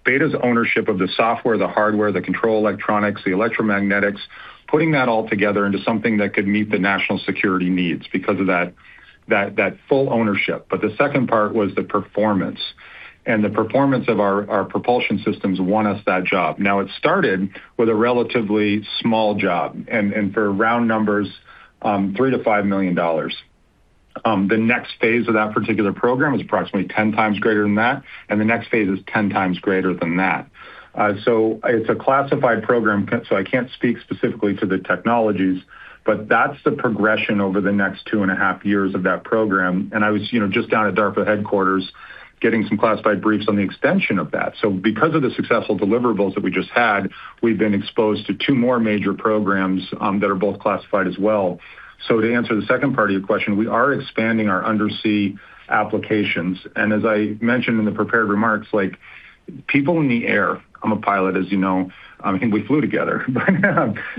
BETA's ownership of the software, the hardware, the control electronics, the electromagnetics, putting that all together into something that could meet the national security needs because of that full ownership. But the second part was the performance. And the performance of our propulsion systems won us that job. Now, it started with a relatively small job and for round numbers, $3-$5 million. The next phase of that particular program is approximately 10 times greater than that, and the next phase is 10 times greater than that. So it's a classified program, so I can't speak specifically to the technologies, but that's the progression over the next two and a half years of that program. And I was just down at DARPA headquarters getting some classified briefs on the extension of that. So because of the successful deliverables that we just had, we've been exposed to two more major programs that are both classified as well. So to answer the second part of your question, we are expanding our undersea applications. As I mentioned in the prepared remarks, people in the air, I'm a pilot, as you know. I think we flew together. We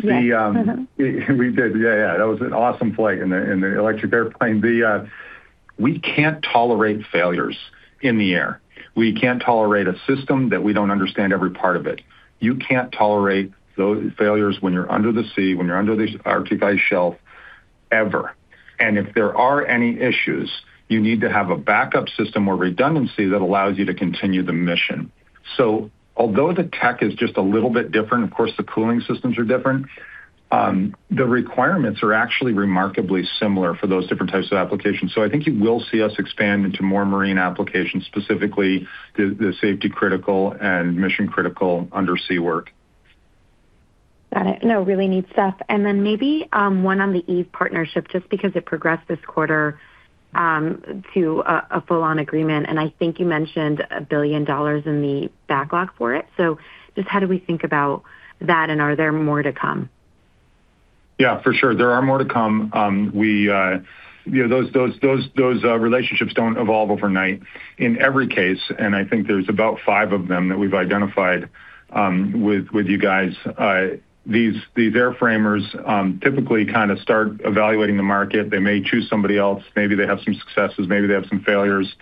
did. Yeah, yeah. That was an awesome flight in the electric airplane. We can't tolerate failures in the air. We can't tolerate a system that we don't understand every part of it. You can't tolerate those failures when you're under the sea, when you're under the Arctic shelf, ever. And if there are any issues, you need to have a backup system or redundancy that allows you to continue the mission. So although the tech is just a little bit different, of course, the cooling systems are different, the requirements are actually remarkably similar for those different types of applications. So I think you will see us expand into more marine applications, specifically the safety-critical and mission-critical undersea work. Got it. No, really neat stuff. Then maybe one on the Eve partnership, just because it progressed this quarter to a full-on agreement. And I think you mentioned $1 billion in the backlog for it. So just how do we think about that, and are there more to come? Yeah, for sure. There are more to come. Those relationships don't evolve overnight in every case, and I think there's about five of them that we've identified with you guys. These airframers typically kind of start evaluating the market. They may choose somebody else. Maybe they have some successes. Maybe they have some failures.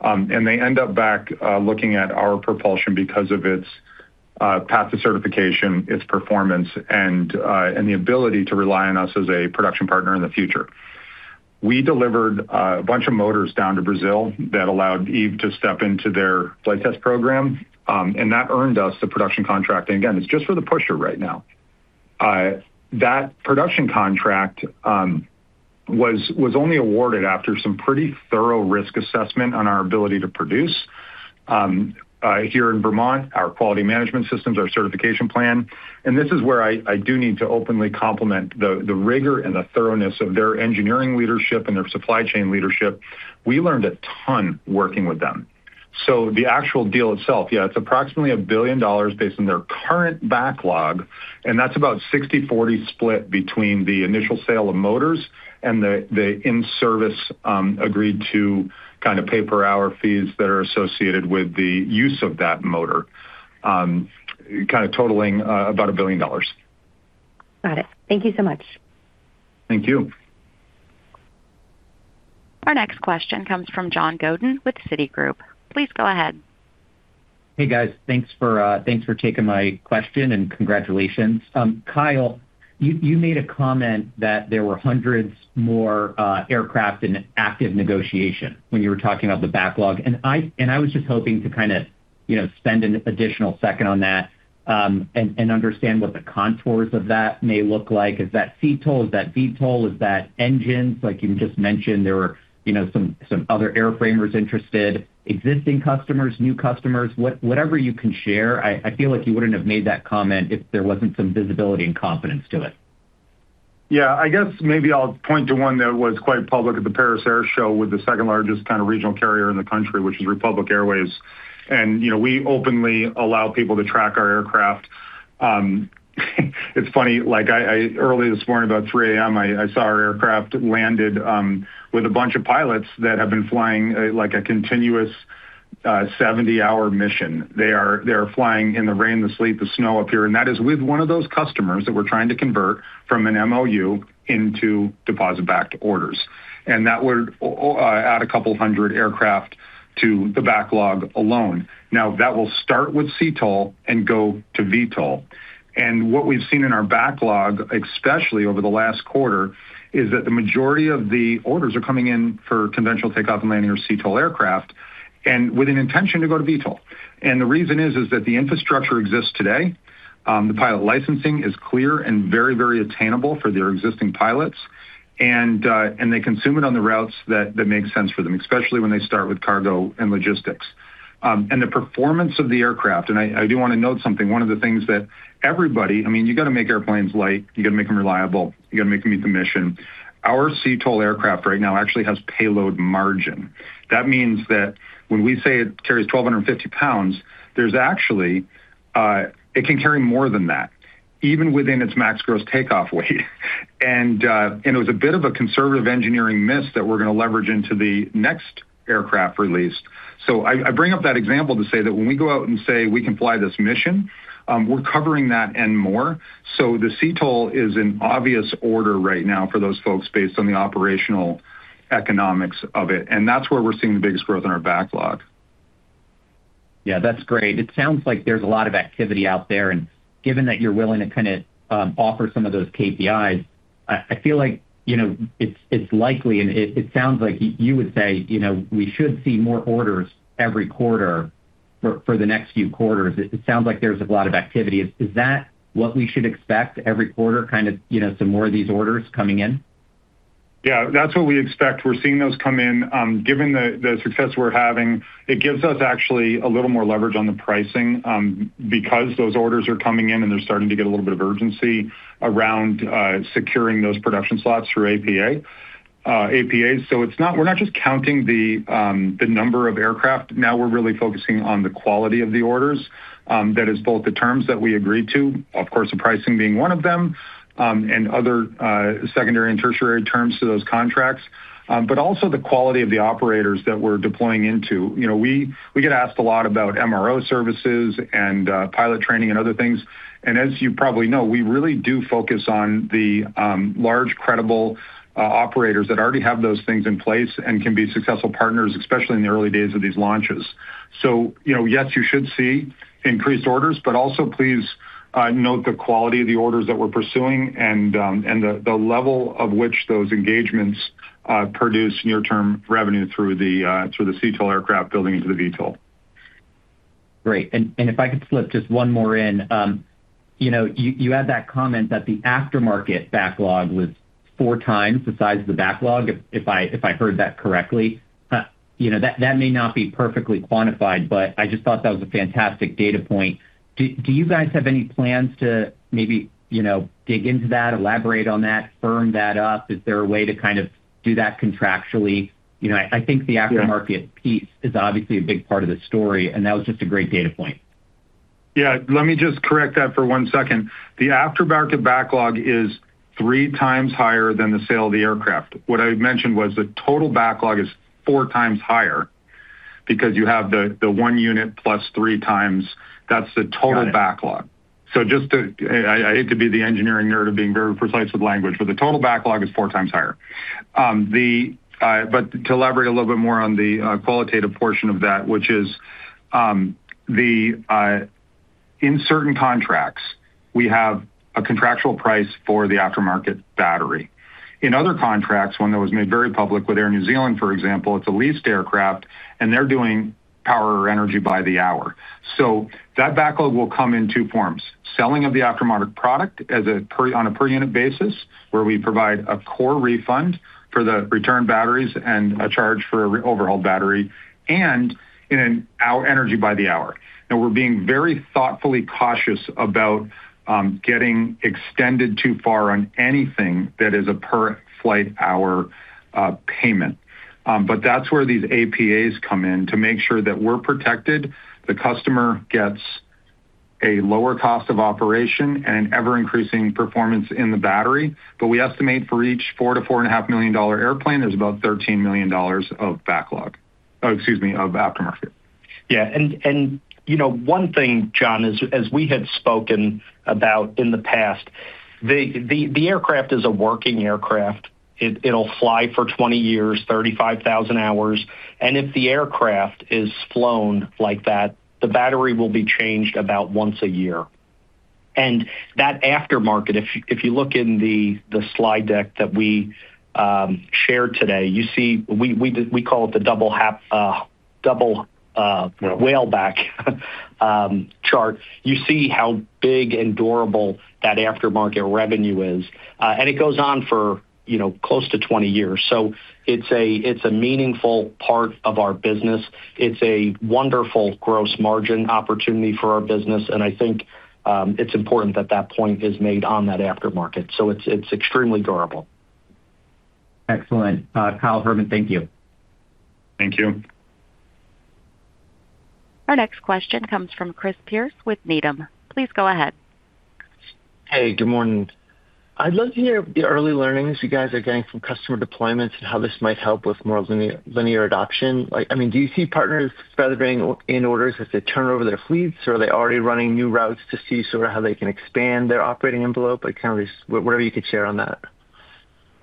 And they end up back looking at our propulsion because of its path to certification, its performance, and the ability to rely on us as a production partner in the future. We delivered a bunch of motors down to Brazil that allowed Eve to step into their flight test program, and that earned us the production contract. And again, it's just for the pusher right now. That production contract was only awarded after some pretty thorough risk assessment on our ability to produce here in Vermont, our quality management systems, our certification plan. And this is where I do need to openly compliment the rigor and the thoroughness of their engineering leadership and their supply chain leadership. We learned a ton working with them. So the actual deal itself, yeah, it's approximately $1 billion based on their current backlog, and that's about 60/40 split between the initial sale of motors and the in-service agreed-to kind of pay-per-hour fees that are associated with the use of that motor, kind of totaling about $1 billion. Got it. Thank you so much. Thank you. Our next question comes from John Godin with Citi. Please go ahead. Hey, guys. Thanks for taking my question and congratulations. Kyle, you made a comment that there were hundreds more aircraft in active negotiation when you were talking about the backlog. And I was just hoping to kind of spend an additional second on that and understand what the contours of that may look like. Is that eVTOL? Is that VTOL? Is that engines? Like you just mentioned, there were some other airframers interested, existing customers, new customers, whatever you can share. I feel like you wouldn't have made that comment if there wasn't some visibility and confidence to it. Yeah. I guess maybe I'll point to one that was quite public at the Paris Air Show with the second largest kind of regional carrier in the country, which is Republic Airways. And we openly allow people to track our aircraft. It's funny. Early this morning, about 3:00 A.M., I saw our aircraft landed with a bunch of pilots that have been flying a continuous 70-hour mission. They are flying in the rain, the sleet, the snow up here. And that is with one of those customers that we're trying to convert from an MOU into deposit-backed orders. And that would add a couple hundred aircraft to the backlog alone. Now, that will start with CTOL and go to VTOL. And what we've seen in our backlog, especially over the last quarter, is that the majority of the orders are coming in for conventional takeoff and landing or CTOL aircraft and with an intention to go to VTOL. And the reason is that the infrastructure exists today. The pilot licensing is clear and very, very attainable for their existing pilots, and they consume it on the routes that make sense for them, especially when they start with cargo and logistics. And the performance of the aircraft, and I do want to note something, one of the things that everybody, I mean, you got to make airplanes light. You got to make them reliable. You got to make them meet the mission. Our CTOL aircraft right now actually has payload margin. That means that when we say it carries 1,250 pounds, there's actually it can carry more than that, even within its max gross takeoff weight. And it was a bit of a conservative engineering miss that we're going to leverage into the next aircraft released. So I bring up that example to say that when we go out and say we can fly this mission, we're covering that and more. So the CTOL is an obvious order right now for those folks basedon the operational economics of it. And that's where we're seeing the biggest growth in our backlog. Yeah, that's great. It sounds like there's a lot of activity out there. And given that you're willing to kind of offer some of those KPIs, I feel like it's likely, and it sounds like you would say we should see more orders every quarter for the next few quarters. It sounds like there's a lot of activity. Is that what we should expect every quarter, kind of some more of these orders coming in? Yeah, that's what we expect. We're seeing those come in. Given the success we're having, it gives us actually a little more leverage on the pricing because those orders are coming in and they're starting to get a little bit of urgency around securing those production slots through APAs. So we're not just counting the number of aircraft. Now we're really focusing on the quality of the orders. That is both the terms that we agreed to, of course, the pricing being one of them, and other secondary and tertiary terms to those contracts, but also the quality of the operators that we're deploying into. We get asked a lot about MRO services and pilot training and other things. And as you probably know, we really do focus on the large, credible operators that already have those things in place and can be successful partners, especially in the early days of these launches. So yes, you should see increased orders, but also please note the quality of the orders that we're pursuing and the level at which those engagements produce near-term revenue through the eVTOL aircraft building into the VTOL. Great. And if I could slip just one more in, you had that comment that the aftermarket backlog was four times the size of the backlog, if I heard that correctly. That may not be perfectly quantified, but I just thought that was a fantastic data point. Do you guys have any plans to maybe dig into that, elaborate on that, firm that up? Is there a way to kind of do that contractually? I think the aftermarket piece is obviously a big part of the story, and that was just a great data point. Yeah. Let me just correct that for one second. The aftermarket backlog is three times higher than the sale of the aircraft. What I mentioned was the total backlog is four times higher because you have the one unit plus three times. That's the total backlog. So I hate to be the engineering nerd of being very precise with language, but the total backlog is four times higher. But to elaborate a little bit more on the qualitative portion of that, which is in certain contracts, we have a contractual price for the aftermarket battery. In other contracts, when it was made very public with Air New Zealand, for example, it's a leased aircraft, and they're doing power or energy by the hour. So that backlog will come in two forms: selling of the aftermarket product on a per-unit basis, where we provide a core refund for the return batteries and a charge for an overhaul battery, and energy by the hour. Now, we're being very thoughtfully cautious about getting extended too far on anything that is a per-flight hour payment. But that's where these APAs come in to make sure that we're protected, the customer gets a lower cost of operation, and an ever-increasing performance in the battery. But we estimate for each $4-$4.5 million airplane, there's about $13 million of backlog, excuse me, of aftermarket. Yeah. And one thing, John, as we had spoken about in the past, the aircraft is a working aircraft. It'll fly for 20 years, 35,000 hours. And if the aircraft is flown like that, the battery will be changed about once a year. And that aftermarket, if you look in the slide deck that we shared today, you see we call it the double whale back chart. You see how big and durable that aftermarket revenue is. And it goes on for close to 20 years. So it's a meaningful part of our business. It's a wonderful gross margin opportunity for our business. And I think it's important that that point is made on that aftermarket. So it's extremely durable. Excellent. Kyle, Herman, thank you. Thank you. Our next question comes from Chris Pierce with Needham. Please go ahead. Hey, good morning. I'd love to hear the early learnings you guys are getting from customer deployments and how this might help with more linear adoption. I mean, do you see partners feathering in orders as they turn over their fleets, or are they already running new routes to see sort of how they can expand their operating envelope? Whatever you could share on that.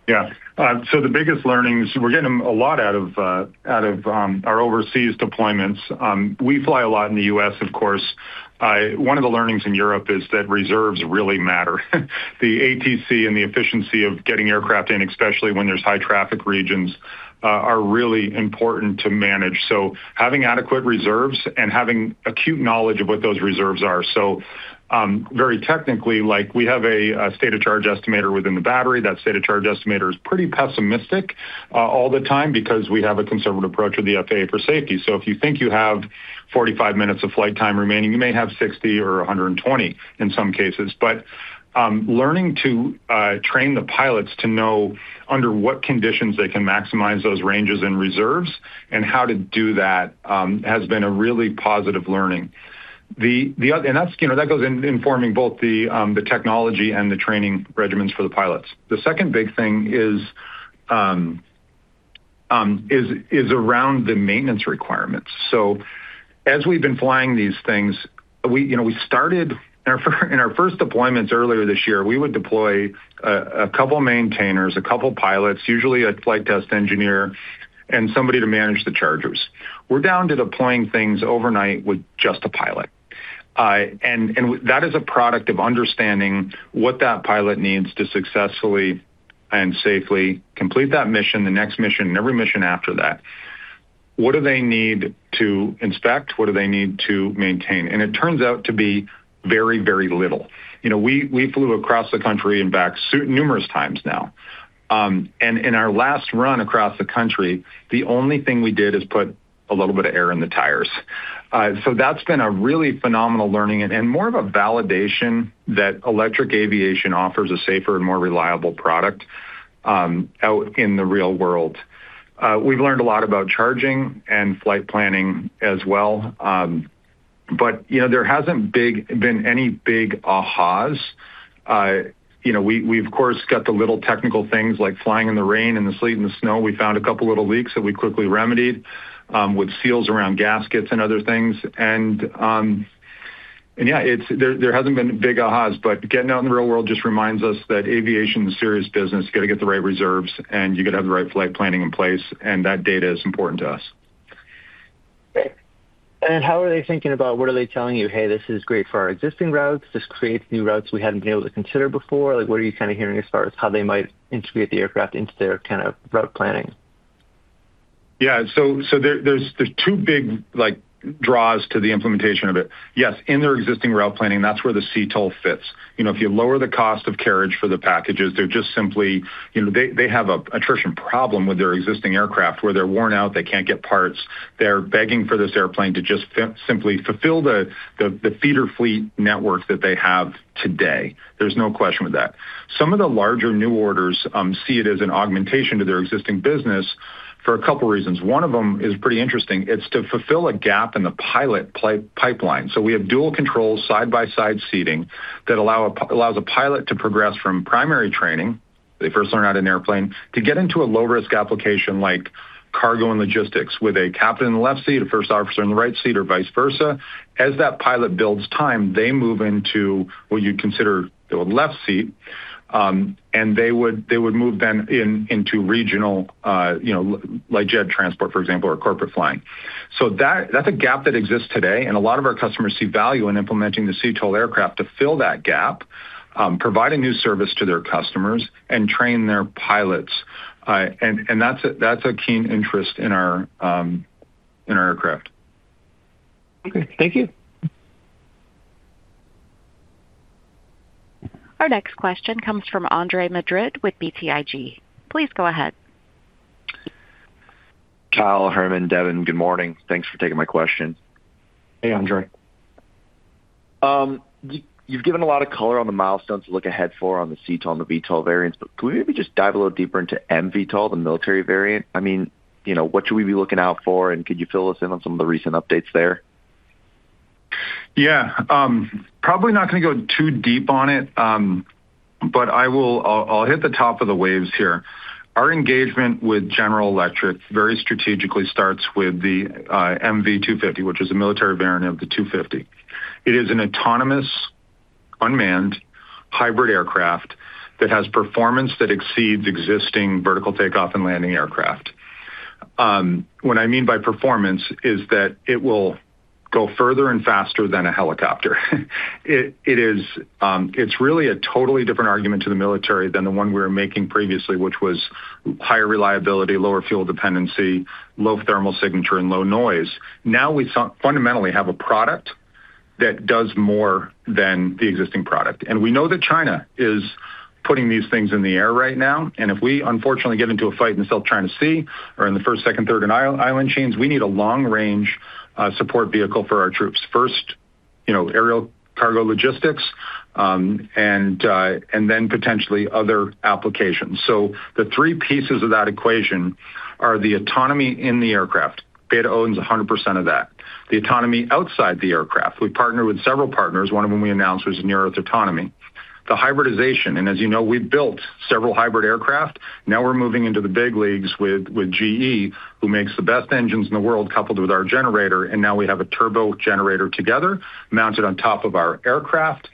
Yeah. So the biggest learnings, we're getting a lot out of our overseas deployments. We fly a lot in the U.S., of course. One of the learnings in Europe is that reserves really matter. The ATC and the efficiency of getting aircraft in, especially when there's high traffic regions, are really important to manage. So having adequate reserves and having acute knowledge of what those reserves are. So very technically, we have a state of charge estimator within the battery. That state of charge estimator is pretty pessimistic all the time because we have a conservative approach with the FAA for safety. So if you think you have 45 minutes of flight time remaining, you may have 60 or 120 in some cases. But learning to train the pilots to know under what conditions they can maximize those ranges and reserves and how to do that has been a really positive learning. And that goes in informing both the technology and the training regimens for the pilots. The second big thing is around the maintenance requirements. So as we've been flying these things, we started in our first deployments earlier this year, we would deploy a couple maintainers, a couple pilots, usually a flight test engineer, and somebody to manage the chargers. We're down to deploying things overnight with just a pilot. And that is a product of understanding what that pilot needs to successfully and safely complete that mission, the next mission, and every mission after that. What do they need to inspect? What do they need to maintain? And it turns out to be very, very little. We flew across the country and back numerous times now. And in our last run across the country, the only thing we did is put a little bit of air in the tires. So that's been a really phenomenal learning and more of a validation that electric aviation offers a safer and more reliable product out in the real world. We've learned a lot about charging and flight planning as well. But there hasn't been any big aha's. We, of course, got the little technical things like flying in the rain and the sleet and the snow. We found a couple little leaks that we quickly remedied with seals around gaskets and other things. Yeah, there hasn't been big AHA's, but getting out in the real world just reminds us that aviation is serious business. You got to get the right reserves, and you got to have the right flight planning in place. That data is important to us. How are they thinking about what are they telling you? Hey, this is great for our existing routes. This creates new routes we hadn't been able to consider before. What are you kind of hearing as far as how they might integrate the aircraft into their kind of route planning? Yeah. So there's two big draws to the implementation of it. Yes, in their existing route planning, that's where the CTOL fits. If you lower the cost of carriage for the packages, they're just simply they have an attrition problem with their existing aircraft where they're worn out. They can't get parts. They're begging for this airplane to just simply fulfill the feeder fleet network that they have today. There's no question with that. Some of the larger new orders see it as an augmentation to their existing business for a couple of reasons. One of them is pretty interesting. It's to fulfill a gap in the pilot pipeline. So we have dual control side-by-side seating that allows a pilot to progress from primary training, they first learn to fly an airplane, to get into a low-risk application like cargo and logistics with a captain in the left seat, a first officer in the right seat, or vice versa. As that pilot builds time, they move into what you'd consider the left seat, and they would move then into regional light jet transport, for example, or corporate flying. So that's a gap that exists today. A lot of our customers see value in implementing the eVTOL aircraft to fill that gap, provide a new service to their customers, and train their pilots. And that's a keen interest in our aircraft. Okay. Thank you. Our next question comes from Andre Madrid with BTIG. Please go ahead. Kyle, Herman, Devin, good morning. Thanks for taking my question. Hey, Andre. You've given a lot of color on the milestones to look ahead for on the eVTOL and the VTOL variants. But can we maybe just dive a little deeper into MV VTOL, the military variant? I mean, what should we be looking out for? And could you fill us in on some of the recent updates there? Yeah. Probably not going to go too deep on it, but I'll hit the high points here. Our engagement with General Electric very strategically starts with the MV 250, which is a military variant of the 250. It is an autonomous, unmanned hybrid aircraft that has performance that exceeds existing vertical takeoff and landing aircraft. What I mean by performance is that it will go further and faster than a helicopter. It's really a totally different argument to the military than the one we were making previously, which was higher reliability, lower fuel dependency, low thermal signature, and low noise. Now we fundamentally have a product that does more than the existing product, and we know that China is putting these things in the air right now, and if we unfortunately get into a fight in the South China Sea or in the first, second, third, and island chains, we need a long-range support vehicle for our troops. First, aerial cargo logistics, and then potentially other applications. So the three pieces of that equation are the autonomy in the aircraft. BETA owns 100% of that. The autonomy outside the aircraft. We partner with several partners. One of them we announced was Near Earth Autonomy. The hybridization. And as you know, we've built several hybrid aircraft. Now we're moving into the big leagues with GE, who makes the best engines in the world coupled with our generator. And now we have a turbo generator together mounted on top of our aircraft.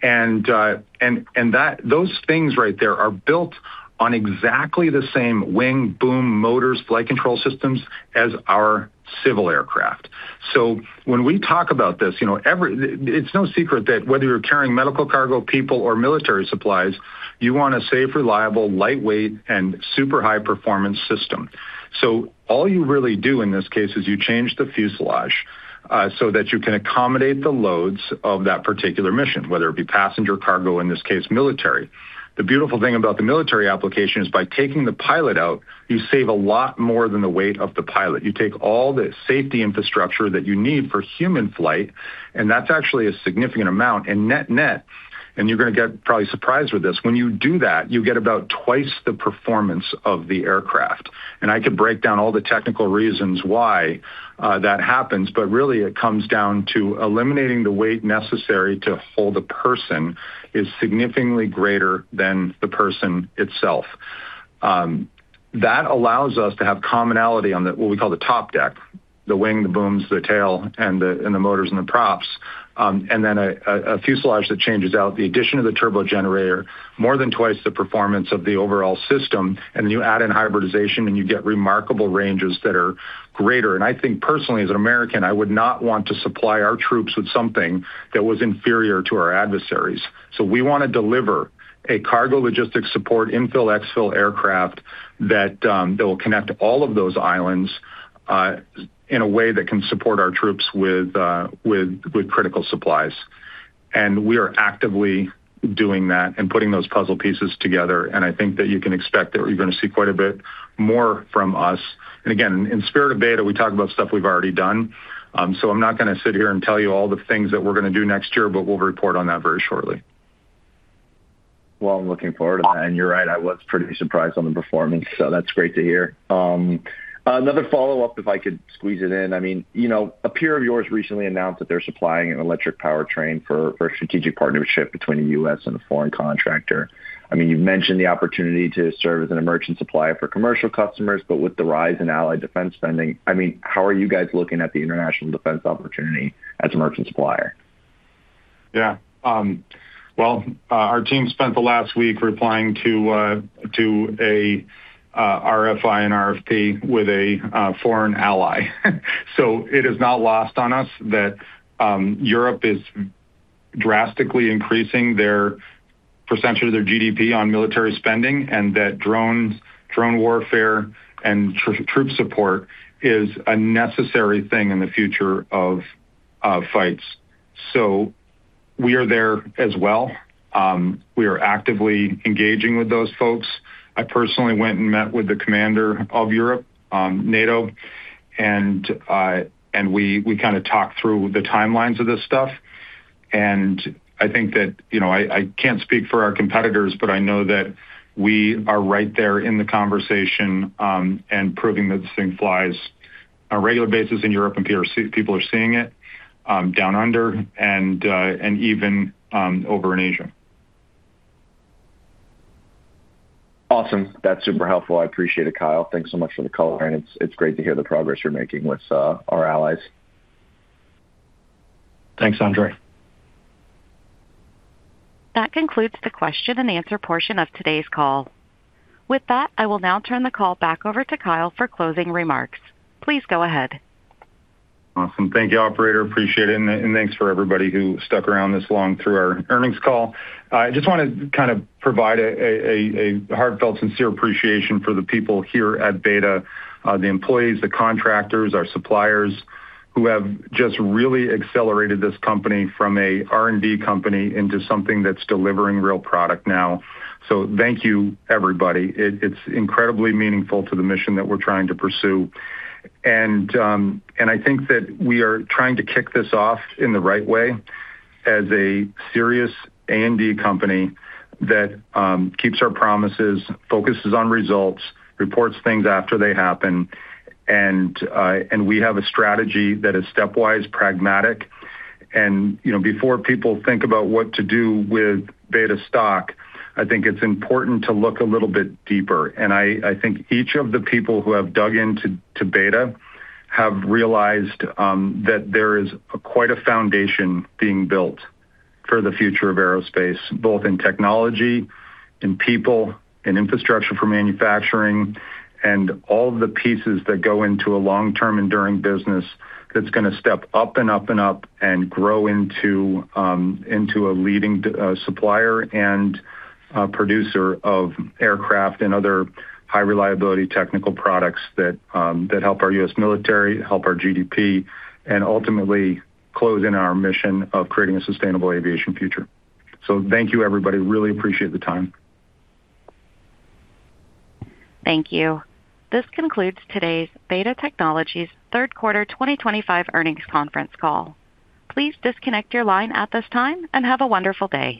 And those things right there are built on exactly the same wing, boom, motors, flight control systems as our civil aircraft. So when we talk about this, it's no secret that whether you're carrying medical cargo, people, or military supplies, you want a safe, reliable, lightweight, and super high-performance system. All you really do in this case is you change the fuselage so that you can accommodate the loads of that particular mission, whether it be passenger cargo, in this case, military. The beautiful thing about the military application is by taking the pilot out, you save a lot more than the weight of the pilot. You take all the safety infrastructure that you need for human flight, and that's actually a significant amount. And net net, and you're going to get probably surprised with this. When you do that, you get about twice the performance of the aircraft. And I could break down all the technical reasons why that happens, but really it comes down to eliminating the weight necessary to hold a person is significantly greater than the person itself. That allows us to have commonality on what we call the top deck, the wing, the booms, the tail, and the motors and the props. And then a fuselage that changes out the addition of the turbo generator, more than twice the performance of the overall system. And then you add in hybridization, and you get remarkable ranges that are greater. And I think personally, as an American, I would not want to supply our troops with something that was inferior to our adversaries. So we want to deliver a cargo logistic support infill, exfill aircraft that will connect all of those islands in a way that can support our troops with critical supplies. And we are actively doing that and putting those puzzle pieces together. And I think that you can expect that you're going to see quite a bit more from us. Again, in spirit of BETA, we talk about stuff we've already done. I'm not going to sit here and tell you all the things that we're going to do next year, but we'll report on that very shortly. I'm looking forward to that. You're right. I was pretty surprised on the performance. That's great to hear. Another follow-up, if I could squeeze it in. I mean, a peer of yours recently announced that they're supplying an electric power train for a strategic partnership between the U.S. and a foreign contractor. I mean, you've mentioned the opportunity to serve as an emergent supplier for commercial customers, but with the rise in allied defense spending, I mean, how are you guys looking at the international defense opportunity as an emergent supplier? Yeah. Our team spent the last week replying to a RFI and RFP with a foreign ally, so it is not lost on us that Europe is drastically increasing their percentage of their GDP on military spending and that drone warfare and troop support is a necessary thing in the future of fights, so we are there as well. We are actively engaging with those folks. I personally went and met with the commander of Europe, NATO, and we kind of talked through the timelines of this stuff, and I think that I can't speak for our competitors, but I know that we are right there in the conversation and proving that this thing flies on a regular basis in Europe, and people are seeing it down under and even over in Asia. Awesome. That's super helpful. I appreciate it, Kyle. Thanks so much for the color. It's great to hear the progress you're making with our allies. Thanks, Andre. That concludes the question and answer portion of today's call. With that, I will now turn the call back over to Kyle for closing remarks. Please go ahead. Awesome. Thank you, operator. Appreciate it. And thanks for everybody who stuck around this long through our earnings call. I just want to kind of provide a heartfelt, sincere appreciation for the people here at BETA, the employees, the contractors, our suppliers who have just really accelerated this company from an R&D company into something that's delivering real product now. So thank you, everybody. It's incredibly meaningful to the mission that we're trying to pursue. And I think that we are trying to kick this off in the right way as a serious A&D company that keeps our promises, focuses on results, reports things after they happen. And we have a strategy that is stepwise, pragmatic. And before people think about what to do with Beta stock, I think it's important to look a little bit deeper. And I think each of the people who have dug into Beta have realized that there is quite a foundation being built for the future of aerospace, both in technology, in people, in infrastructure for manufacturing, and all of the pieces that go into a long-term enduring business that's going to step up and up and up and grow into a leading supplier and producer of aircraft and other high-reliability technical products that help our U.S. military, help our GDP, and ultimately close in our mission of creating a sustainable aviation future. So thank you, everybody. Really appreciate the time. Thank you. This concludes today's Beta Technologies' third quarter 2025 earnings conference call. Please disconnect your line at this time and have a wonderful day.